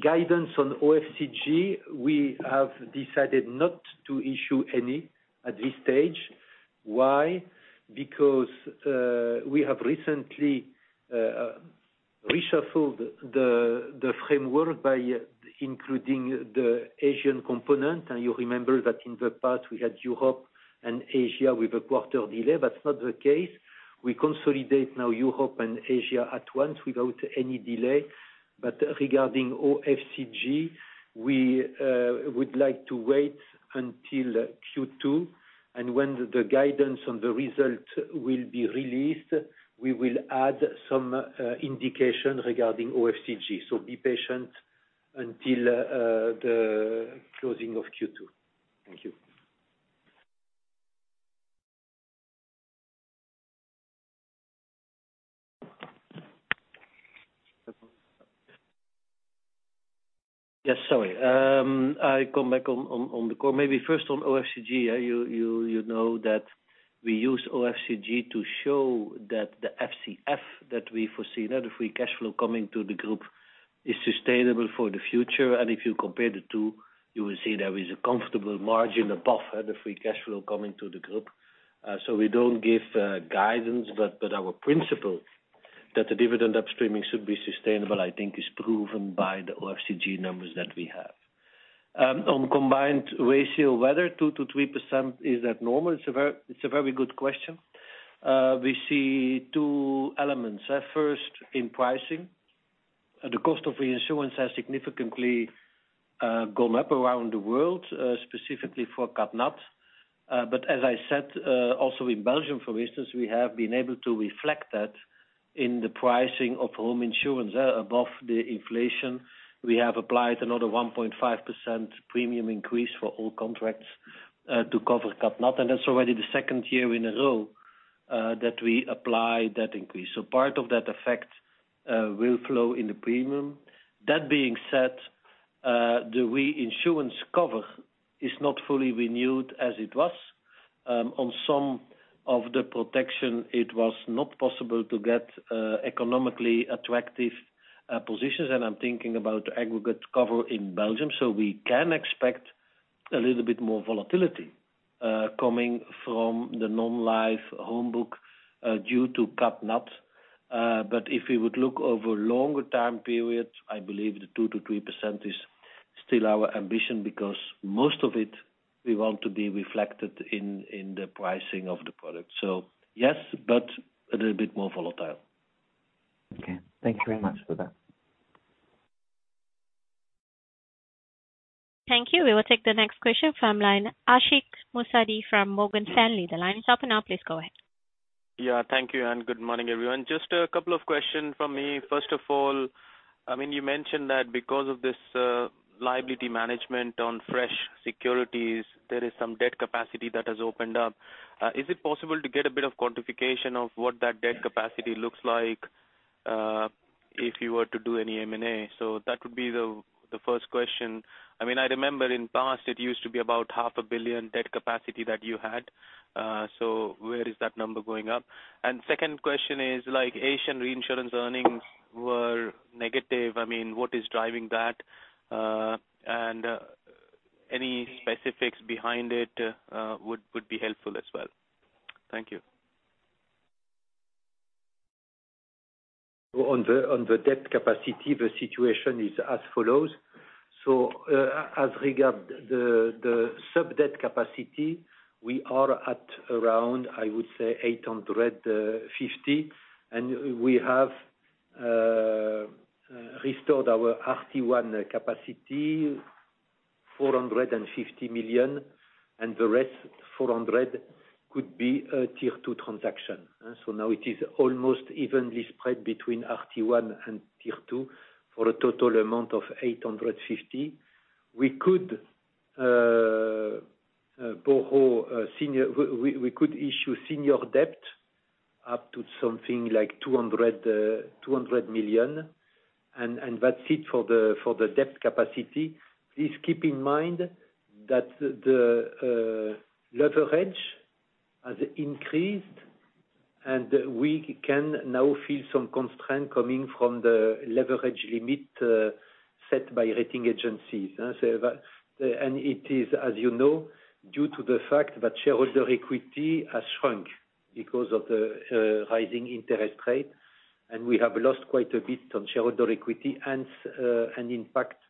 Guidance on OFCG, we have decided not to issue any at this stage. Why? Because we have recently reshuffled the framework by including the Asian component. You remember that in the past we had Europe and Asia with a quarter delay. That is not the case. We consolidate now Europe and Asia at once without any delay. Regarding OFCG, we would like to wait until Q2, and when the guidance on the result will be released, we will add some indication regarding OFCG. Be patient until the closing of Q2. Thank you. Yes. Sorry. I come back on the core. Maybe first on OFCG. You know that we use OFCG to show that the FCF that we foresee, that the free cash flow coming to the group is sustainable for the future. If you compare the two, you will see there is a comfortable margin above the free cash flow coming to the group. We don't give guidance. But our principle that the dividend upstreaming should be sustainable, I think is proven by the OFCG numbers that we have. On combined ratio, whether 2%-3% is abnormal, it's a very good question. We see two elements. At first in pricing, the cost of reinsurance has significantly gone up around the world, specifically for CatNat. As I said, also in Belgium, for instance, we have been able to reflect that in the pricing of home insurance above the inflation. We have applied another 1.5% premium increase for all contracts, to cover CatNat, and that's already the second year in a row, that we apply that increase. Part of that effect will flow in the premium. That being said, the reinsurance cover is not fully renewed as it was. On some of the protection, it was not possible to get economically attractive positions, and I'm thinking about aggregate cover in Belgium. We can expect a little bit more volatility coming from the non-life home book, due to CatNat. If we would look over longer time periods, I believe the 2%-3% is still our ambition, because most of it we want to be reflected in the pricing of the product. Yes, but a little bit more volatile. Okay. Thank you very much for that. Thank you. We will take the next question from line Ashik Musaddi from Morgan Stanley. The line is open now. Please go ahead. Yeah. Thank you, and good morning, everyone. Just a couple of questions from me. First of all, I mean, you mentioned that because of this liability management on FRESH securities, there is some debt capacity that has opened up. Is it possible to get a bit of quantification of what that debt capacity looks like if you were to do any M&A? That would be the first question. I mean, I remember in past, it used to be about half a billion EUR debt capacity that you had. So where is that number going up? Second question is like, Asian reinsurance earnings were negative. I mean, what is driving that? And any specifics behind it would be helpful as well. Thank you. On the debt capacity, the situation is as follows. As regard the sub debt capacity, we are at around, I would say 850 million. We have restored our RT1 capacity 450 million, and the rest 400 million could be a Tier 2 transaction. Now it is almost evenly spread between RT1 and Tier 2 for a total amount of 850 million. We could issue senior debt up to something like 200 million. And that is it for the debt capacity. Please keep in mind that the leverage has increased, and we can now feel some constraint coming from the leverage limit set by rating agencies. It is, as you know, due to the fact that shareholder equity has shrunk because of the rising interest rate, and we have lost quite a bit on shareholder equity and an impact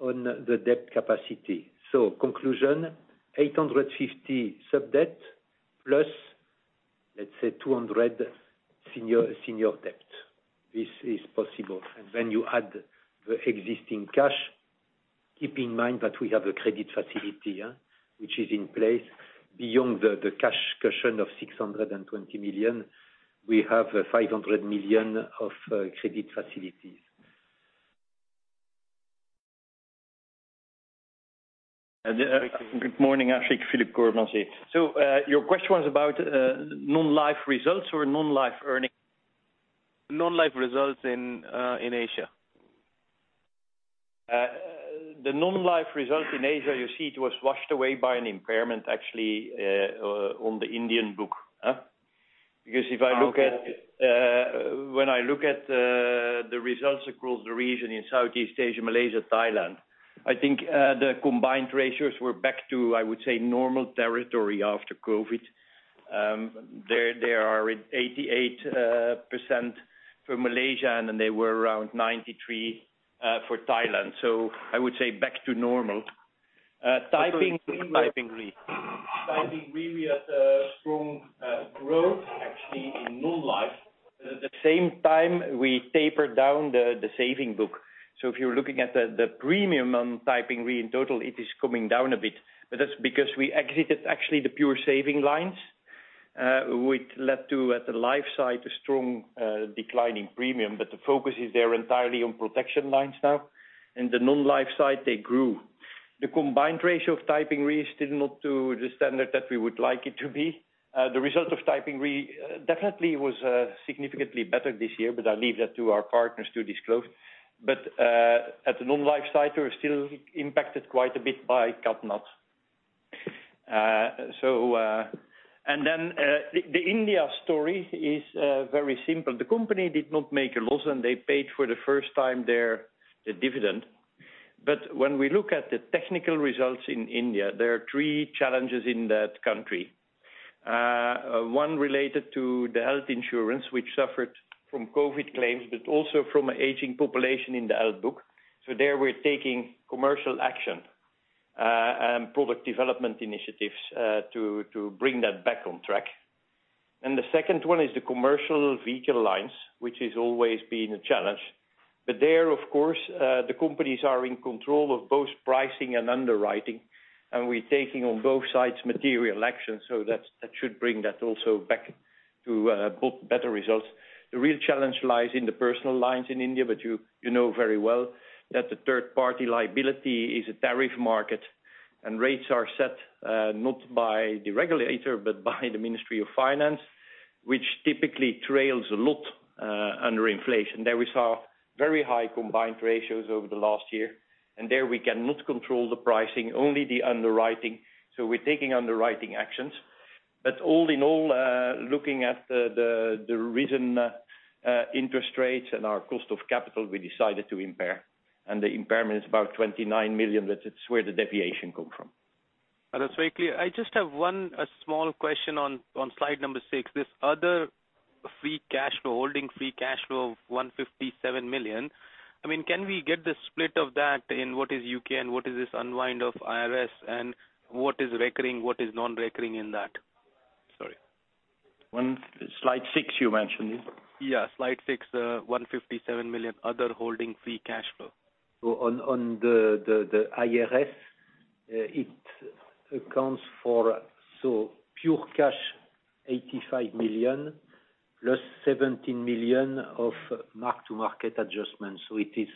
on the debt capacity. Conclusion, 850 sub-debt plus let's say 200 senior debt. This is possible. When you add the existing cash, keep in mind that we have a credit facility, which is in place. Beyond the cash cushion of 620 million, we have 500 million of credit facilities. Good morning, Ashik. Filip Coremans. Your question was about non-life results or non-life earnings? Non-life results in Asia. The non-life results in Asia, you see it was washed away by an impairment, actually, on the Indian book. If I look at, when I look at, the results across the region in Southeast Asia, Malaysia, Thailand, I think, the combined ratios were back to, I would say, normal territory after COVID. There, they are at 88% for Malaysia, and then they were around 93% for Thailand. I would say back to normal. Taiping Re. Taiping Re, we had strong growth actually in non-life. At the same time, we tapered down the saving book. If you're looking at the premium on Taiping Re in total, it is coming down a bit. That's because we exited actually the pure saving lines, which led to, at the life side, a strong decline in premium. The focus is there entirely on protection lines now. In the non-life side, they grew. The combined ratio of Taiping Re is still not to the standard that we would like it to be. The result of Taiping Re definitely was significantly better this year, but I will leave that to our partners to disclose. At the non-life side, we're still impacted quite a bit by CatNat. The India story is very simple. The company did not make a loss, and they paid for the first time their, the dividend. When we look at the technical results in India, there are three challenges in that country. One related to the health insurance, which suffered from COVID claims, but also from aging population in the health book. There, we are taking commercial action and product development initiatives to bring that back on track. The second one is the commercial vehicle lines, which has always been a challenge. There, of course, the companies are in control of both pricing and underwriting, and we are taking on both sides material action, that should bring that also back to both better results. The real challenge lies in the personal lines in India. You know very well that the third-party liability is a tariff market, rates are set not by the regulator but by the Ministry of Finance, which typically trails a lot under inflation. There we saw very high Combined ratios over the last year. There we cannot control the pricing, only the underwriting. We are taking underwriting actions. All in all, looking at the risen interest rates and our cost of capital, we decided to impair. The impairment is about 29 million. That is where the deviation come from. That is very clear. I just have a small question on slide 6. This other free cash flow, Holding Free Cash Flow of 157 million. I mean, can we get the split of that in what is UK and what is this unwind of IFRS and what is recurring, what is non-recurring in that? Sorry, slide 6 you mentioned? Yeah, slide 6, 157 million, other Holding Free Cash Flow. On the IRS, it accounts for so pure cash 85 million, plus 17 million of mark-to-market adjustments. It is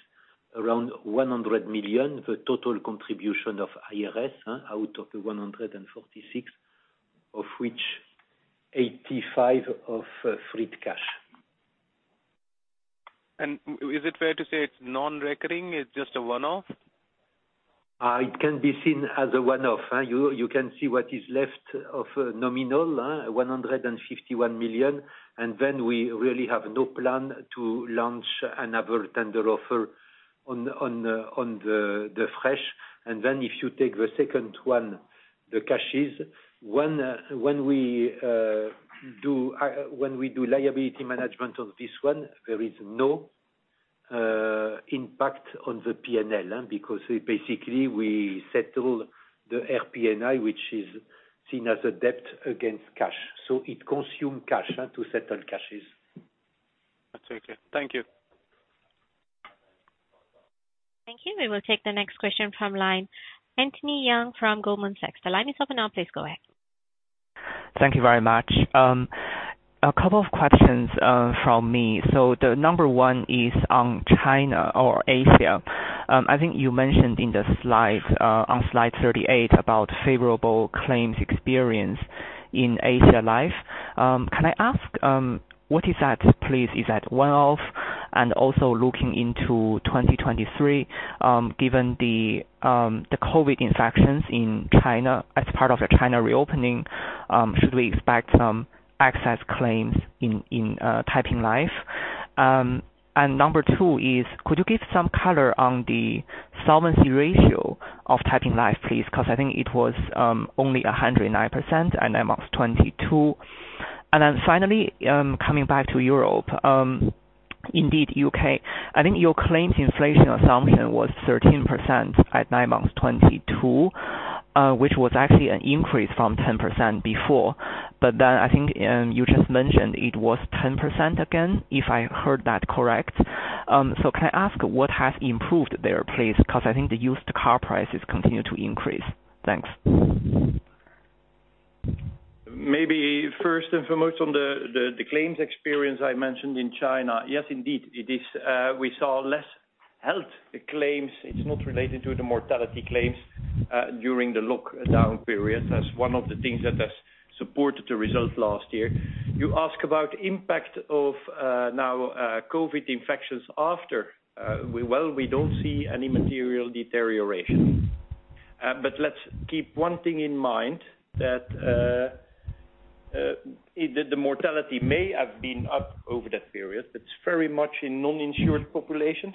around 100 million, the total contribution of IRS, out of the 146, of which 85 of free cash. And is it fair to say it's non-recurring, it's just a one-off? It can be seen as a one-off, you can see what is left of nominal, 151 million. We really have no plan to launch another tender offer on the FRESH. If you take the second one, the CASHES, when we do liability management on this one, there is no impact on the PNL, because we basically, we settle the RPN(i), which is seen as a debt against cash. It consume cash to settle CASHES. That's very clear. Thank you. Thank you. We will take the next question from line Anthony Yang from Goldman Sachs. The line is open now, please go ahead. Thank you very much. A couple of questions from me. The number 1 is on China or Asia. I think you mentioned in the slide on slide 38 about favorable claims experience in Asia Life. Can I ask what is that, please? Is that one-off? Also looking into 2023, given the COVID infections in China as part of a China reopening, should we expect some excess claims in Taiping Life? Number 2 is could you give some color on the solvency ratio of Taiping Life, please? 'Cause I think it was only 109% at 9 months 2022. Finally, coming back to Europe, indeed UK, I think your claims inflation assumption was 13% at 9 months 2022, which was actually an increase from 10% before. But that I think, you just mentioned it was 10% again, if I heard that correct. Can I ask what has improved there, please? Because I think the used car prices continue to increase. Thanks. Maybe first and foremost on the claims experience I mentioned in China. Yes, indeed, it is, we saw less health claims. It's not related to the mortality claims during the lockdown period. That's one of the things that has supported the result last year. You ask about impact of COVID infections after. Well, we don't see any material deterioration. Let's keep one thing in mind that the mortality may have been up over that period, but it is very much in non-insured populations.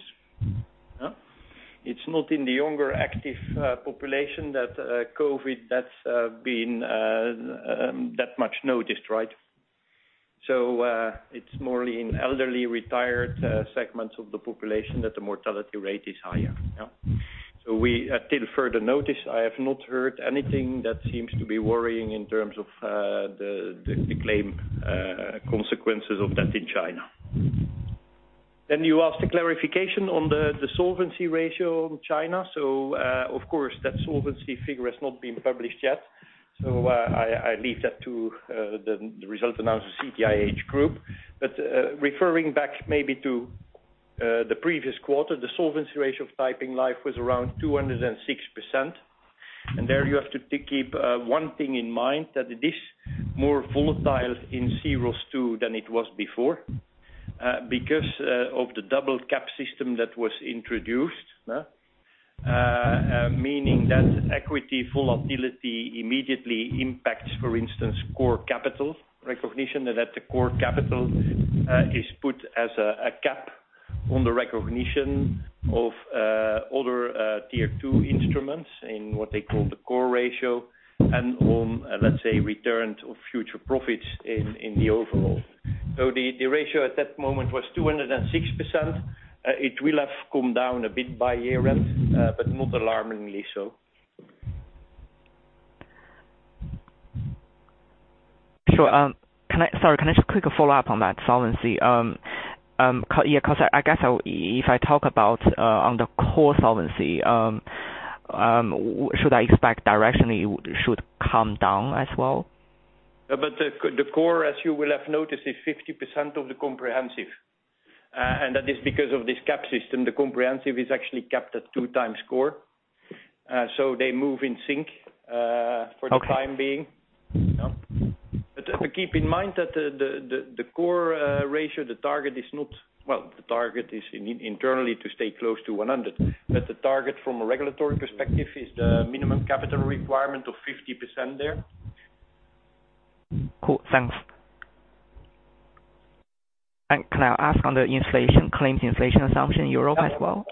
Yeah. It's not in the younger active population that COVID that's been that much noticed, right. So it's more in elderly retired segments of the population that the mortality rate is higher. Yeah. Until further notice, I have not heard anything that seems to be worrying in terms of the claim consequences of that in China. You asked a clarification on the solvency ratio in China. Of course, that solvency figure has not been published yet, I leave that to the result announced the CTIH Group. Referring back maybe to the previous quarter, the solvency ratio of Taiping Life was around 206%. There you have to keep one thing in mind that it is more volatile in Solvency II than it was before because of the double cap system that was introduced. Meaning that equity volatility immediately impacts, for instance, core capital recognition, and that the core capital is put as a cap on the recognition of other Tier 2 instruments in what they call the core ratio and on, let's say, returns of future profits in the overall. The ratio at that moment was 206%. It will have come down a bit by year-end, but not alarmingly so. Sure. Sorry, can I just quick follow-up on that solvency? Yeah, 'cause I guess if I talk about on the core solvency, should I expect directionally it should come down as well? The core, as you will have noticed, is 50% of the comprehensive. That is because of this cap system. The comprehensive is actually capped at 2 times core. So they move in sync. Okay. For the time being. Yeah. Keep in mind that the core ratio, the target is internally to stay close to 100. The target from a regulatory perspective is the minimum capital requirement of 50% there. Cool. Thanks. Can I ask on the inflation, claims inflation assumption in Europe as well?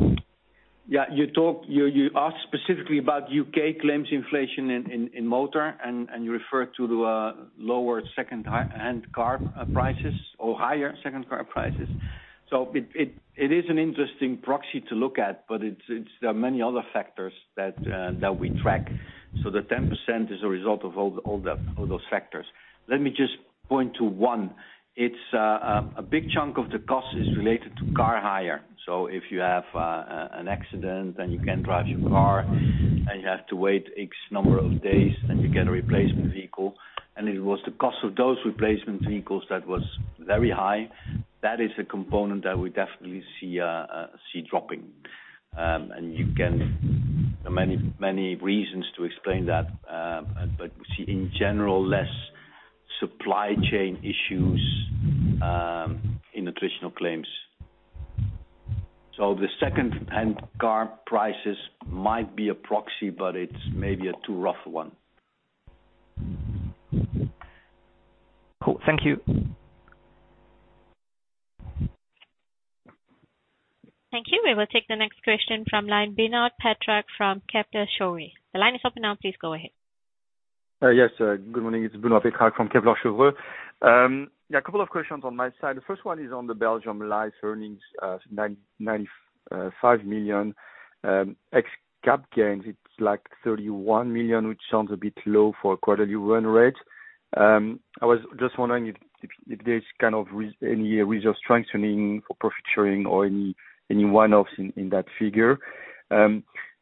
Yeah. You asked specifically about UK claims inflation in motor and you refer to lower second hand car prices or higher second car prices. It is an interesting proxy to look at, but it's, there are many other factors that we track. The 10% is a result of all the, all those factors. Let me just point to one. It's a big chunk of the cost is related to car hire. If you have an accident, then you can't drive your car, and you have to wait X number of days, and you get a replacement vehicle, and it was the cost of those replacement vehicles that was very high. That is a component that we definitely see dropping. You can many, many reasons to explain that, but we see in general, less supply chain issues, in nutritional claims. The second hand car prices might be a proxy, but it's maybe a too rough one. Cool. Thank you. Thank you. We will take the next question from line Benoit Petrarque from Kepler Cheuvreux. The line is open now. Please go ahead. Yes, good morning. It's Benoit Petrarque from Kepler Cheuvreux. A couple of questions on my side. The first one is on the Belgium Life earnings, 95 million ex cap gains. It's like 31 million, which sounds a bit low for quarterly run rate. I was just wondering if there is kind of any reserve strengthening or profit sharing or any one-offs in that figure.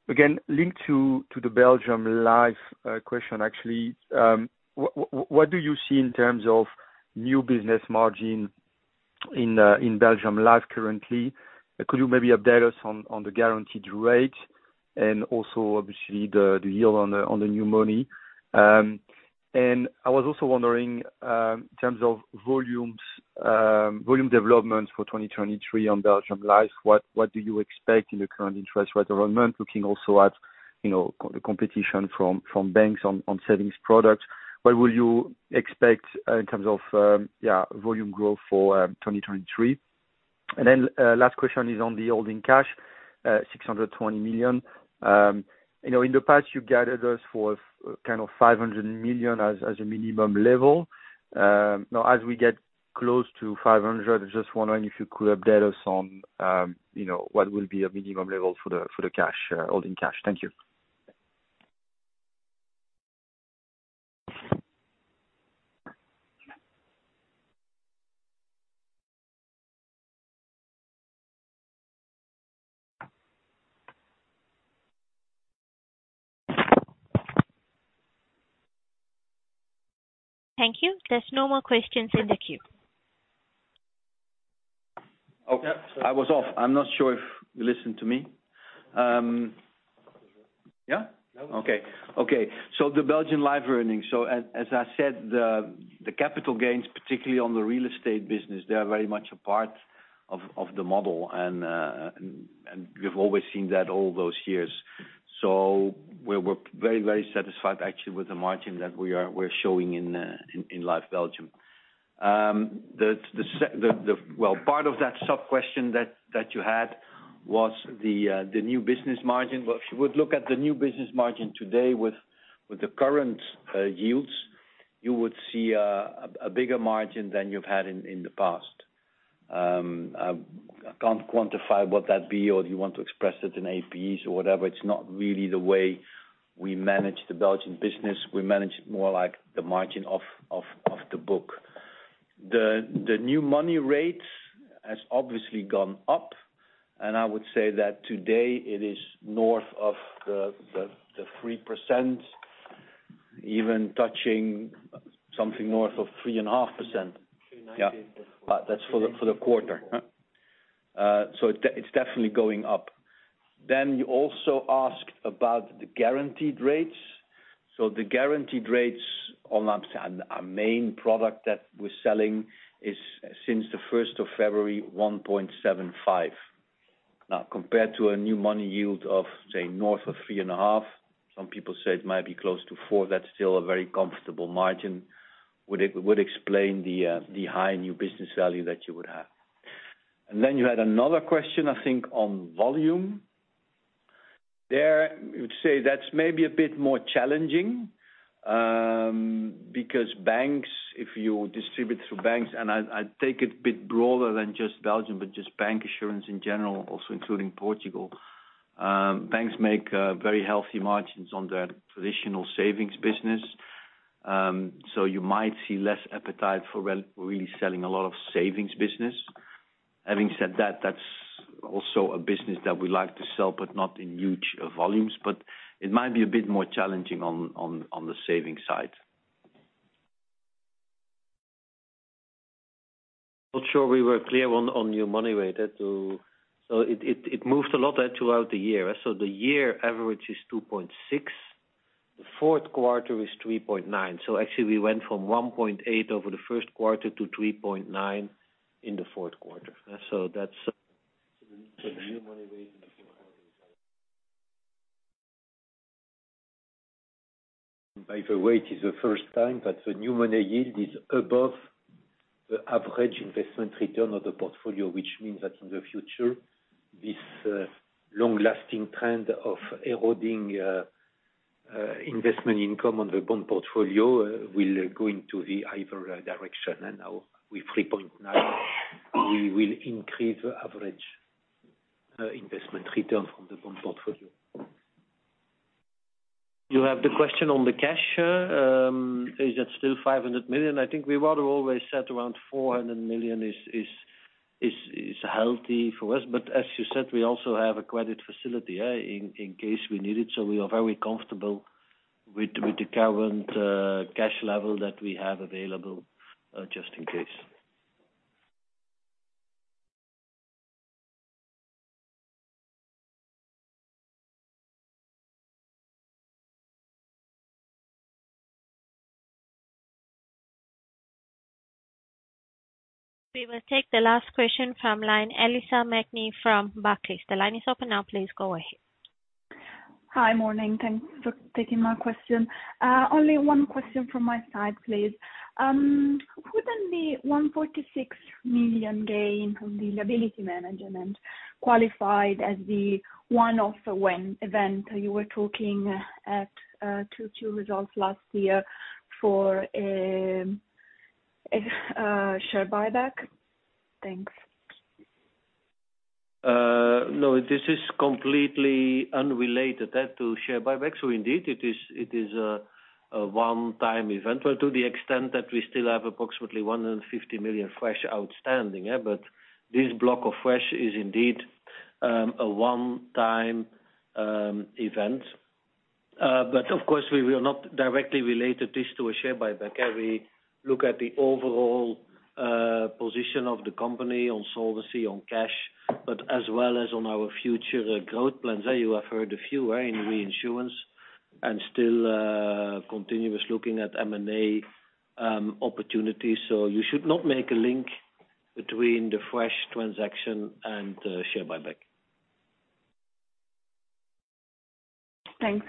Again, linked to the Belgium Life question, actually, what do you see in terms of new business margin in Belgium Life currently? Could you maybe update us on the guaranteed rate and also obviously the yield on the new money? I was also wondering, in terms of volumes, volume development for 2023 on Belgian Life, what do you expect in the current interest rate environment, looking also at, you know, the competition from banks on savings products, what will you expect in terms of, yeah, volume growth for 2023? Last question is on the holding cash, 620 million. You know, in the past, you guided us for kind of 500 million as a minimum level. Now as we get close to 500, I'm just wondering if you could update us on, you know, what will be a minimum level for the, for the cash, holding cash. Thank you. Thank you. There's no more questions in the queue. Okay. I was off. I'm not sure if you listened to me. Yeah? No. Okay. The Belgian Life earnings. As I said, the capital gains, particularly on the real estate business, they are very much a part of the model and we've always seen that all those years. We're very, very satisfied actually with the margin that we are showing in Life Belgium. The well, part of that sub question that you had was the new business margin. Well, if you would look at the new business margin today with the current yields, you would see a bigger margin than you've had in the past. I can't quantify what that'd be or if you want to express it in APE or whatever. It's not really the way we manage the Belgian business. We manage it more like the margin of the book. The new money rate has obviously gone up, and I would say that today it is north of the 3% even touching something north of 3.5%. EUR 390. That's for the, for the quarter. So it's definitely going up. You also asked about the guaranteed rates. The guaranteed rates on our main product that we're selling is since the 1st of February, 1.75. Now, compared to a new money yield of, say, north of 3.5, some people say it might be close to 4. That's still a very comfortable margin. Would explain the high new business value that you would have. You had another question, I think on volume. There, I would say that's maybe a bit more challenging, because banks, if you distribute through banks, and I take it a bit broader than just Belgium, but just bancassurance in general, also including Portugal. Banks make very healthy margins on their traditional savings business. You might see less appetite for really selling a lot of savings business. Having said that's also a business that we like to sell, but not in huge volumes. It might be a bit more challenging on the savings side. Not sure we were clear on your money rate. It moves a lot throughout the year. The year average is 2.6%, the 4th quarter is 3.9%. Actually we went from 1.8% over the 1st quarter to 3.9% in the 4th quarter. The new money rate in the fourth quarter is. By the way, it is the first time that the new money yield is above the average investment return of the portfolio, which means that in the future, this long-lasting trend of eroding investment income on the bond portfolio will go into the other direction. Now with 3.9, we will increase the average investment return from the bond portfolio. You have the question on the cash. Is that still 500 million? I think we would always set around 400 million is healthy for us. As you said, we also have a credit facility in case we need it. We are very comfortable with the current cash level that we have available just in case. We will take the last question from line, Ilaria del Prato from Barclays. The line is open now. Please go ahead. Hi. Morning. Thanks for taking my question. Only one question from my side, please. Wouldn't the 146 million gain from the liability management qualified as the one-off when event you were talking at, 2 results last year for share buyback? Thanks. No, this is completely unrelated to share buyback. It is a one-time event. We still have approximately 150 million FRESH outstanding. This block of FRESH is indeed a one-time event. But of course we will not directly relate this to a share buyback. We look at the overall position of the company on solvency, on cash, as well as on our future growth plans. You have heard a few in reinsurance and still continuous looking at M&A opportunities. You should not make a link between the FRESH transaction and share buyback. Thanks.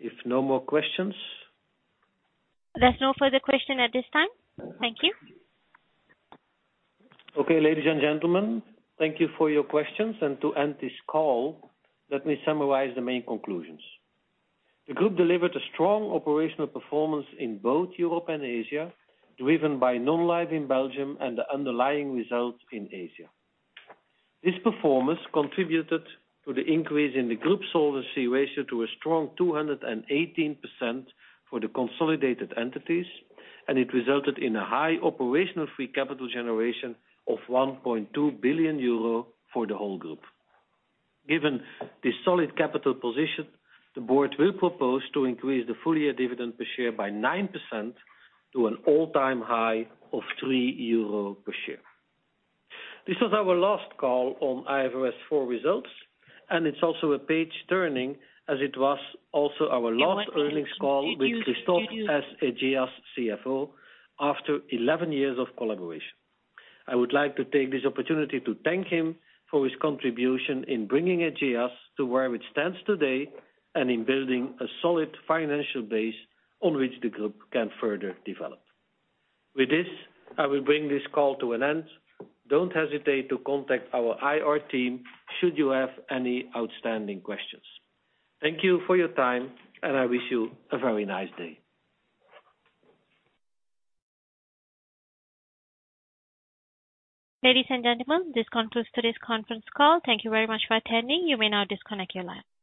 If no more questions. There's no further question at this time. Thank you. Okay. Ladies and gentlemen, thank you for your questions. To end this call, let me summarize the main conclusions. The group delivered a strong operational performance in both Europe and Asia, driven by Non-life in Belgium and the underlying results in Asia. This performance contributed to the increase in the group solvency ratio to a strong 218% for the consolidated entities, and it resulted in a high Operational Free Capital Generation of 1.2 billion euro for the whole group. Given the solid capital position, the board will propose to increase the full-year dividend per share by 9% to an all-time high of 3 euro per share. This was our last call on IFRS 4 results, and it's also a page turning, as it was also our last earnings call with Christophe as Ageas CFO after 11 years of collaboration. I would like to take this opportunity to thank him for his contribution in bringing Ageas to where it stands today and in building a solid financial base on which the group can further develop. With this, I will bring this call to an end. Don't hesitate to contact our IR team should you have any outstanding questions. Thank you for your time, and I wish you a very nice day. Ladies and gentlemen, this concludes today's conference call. Thank you very much for attending. You may now disconnect your line.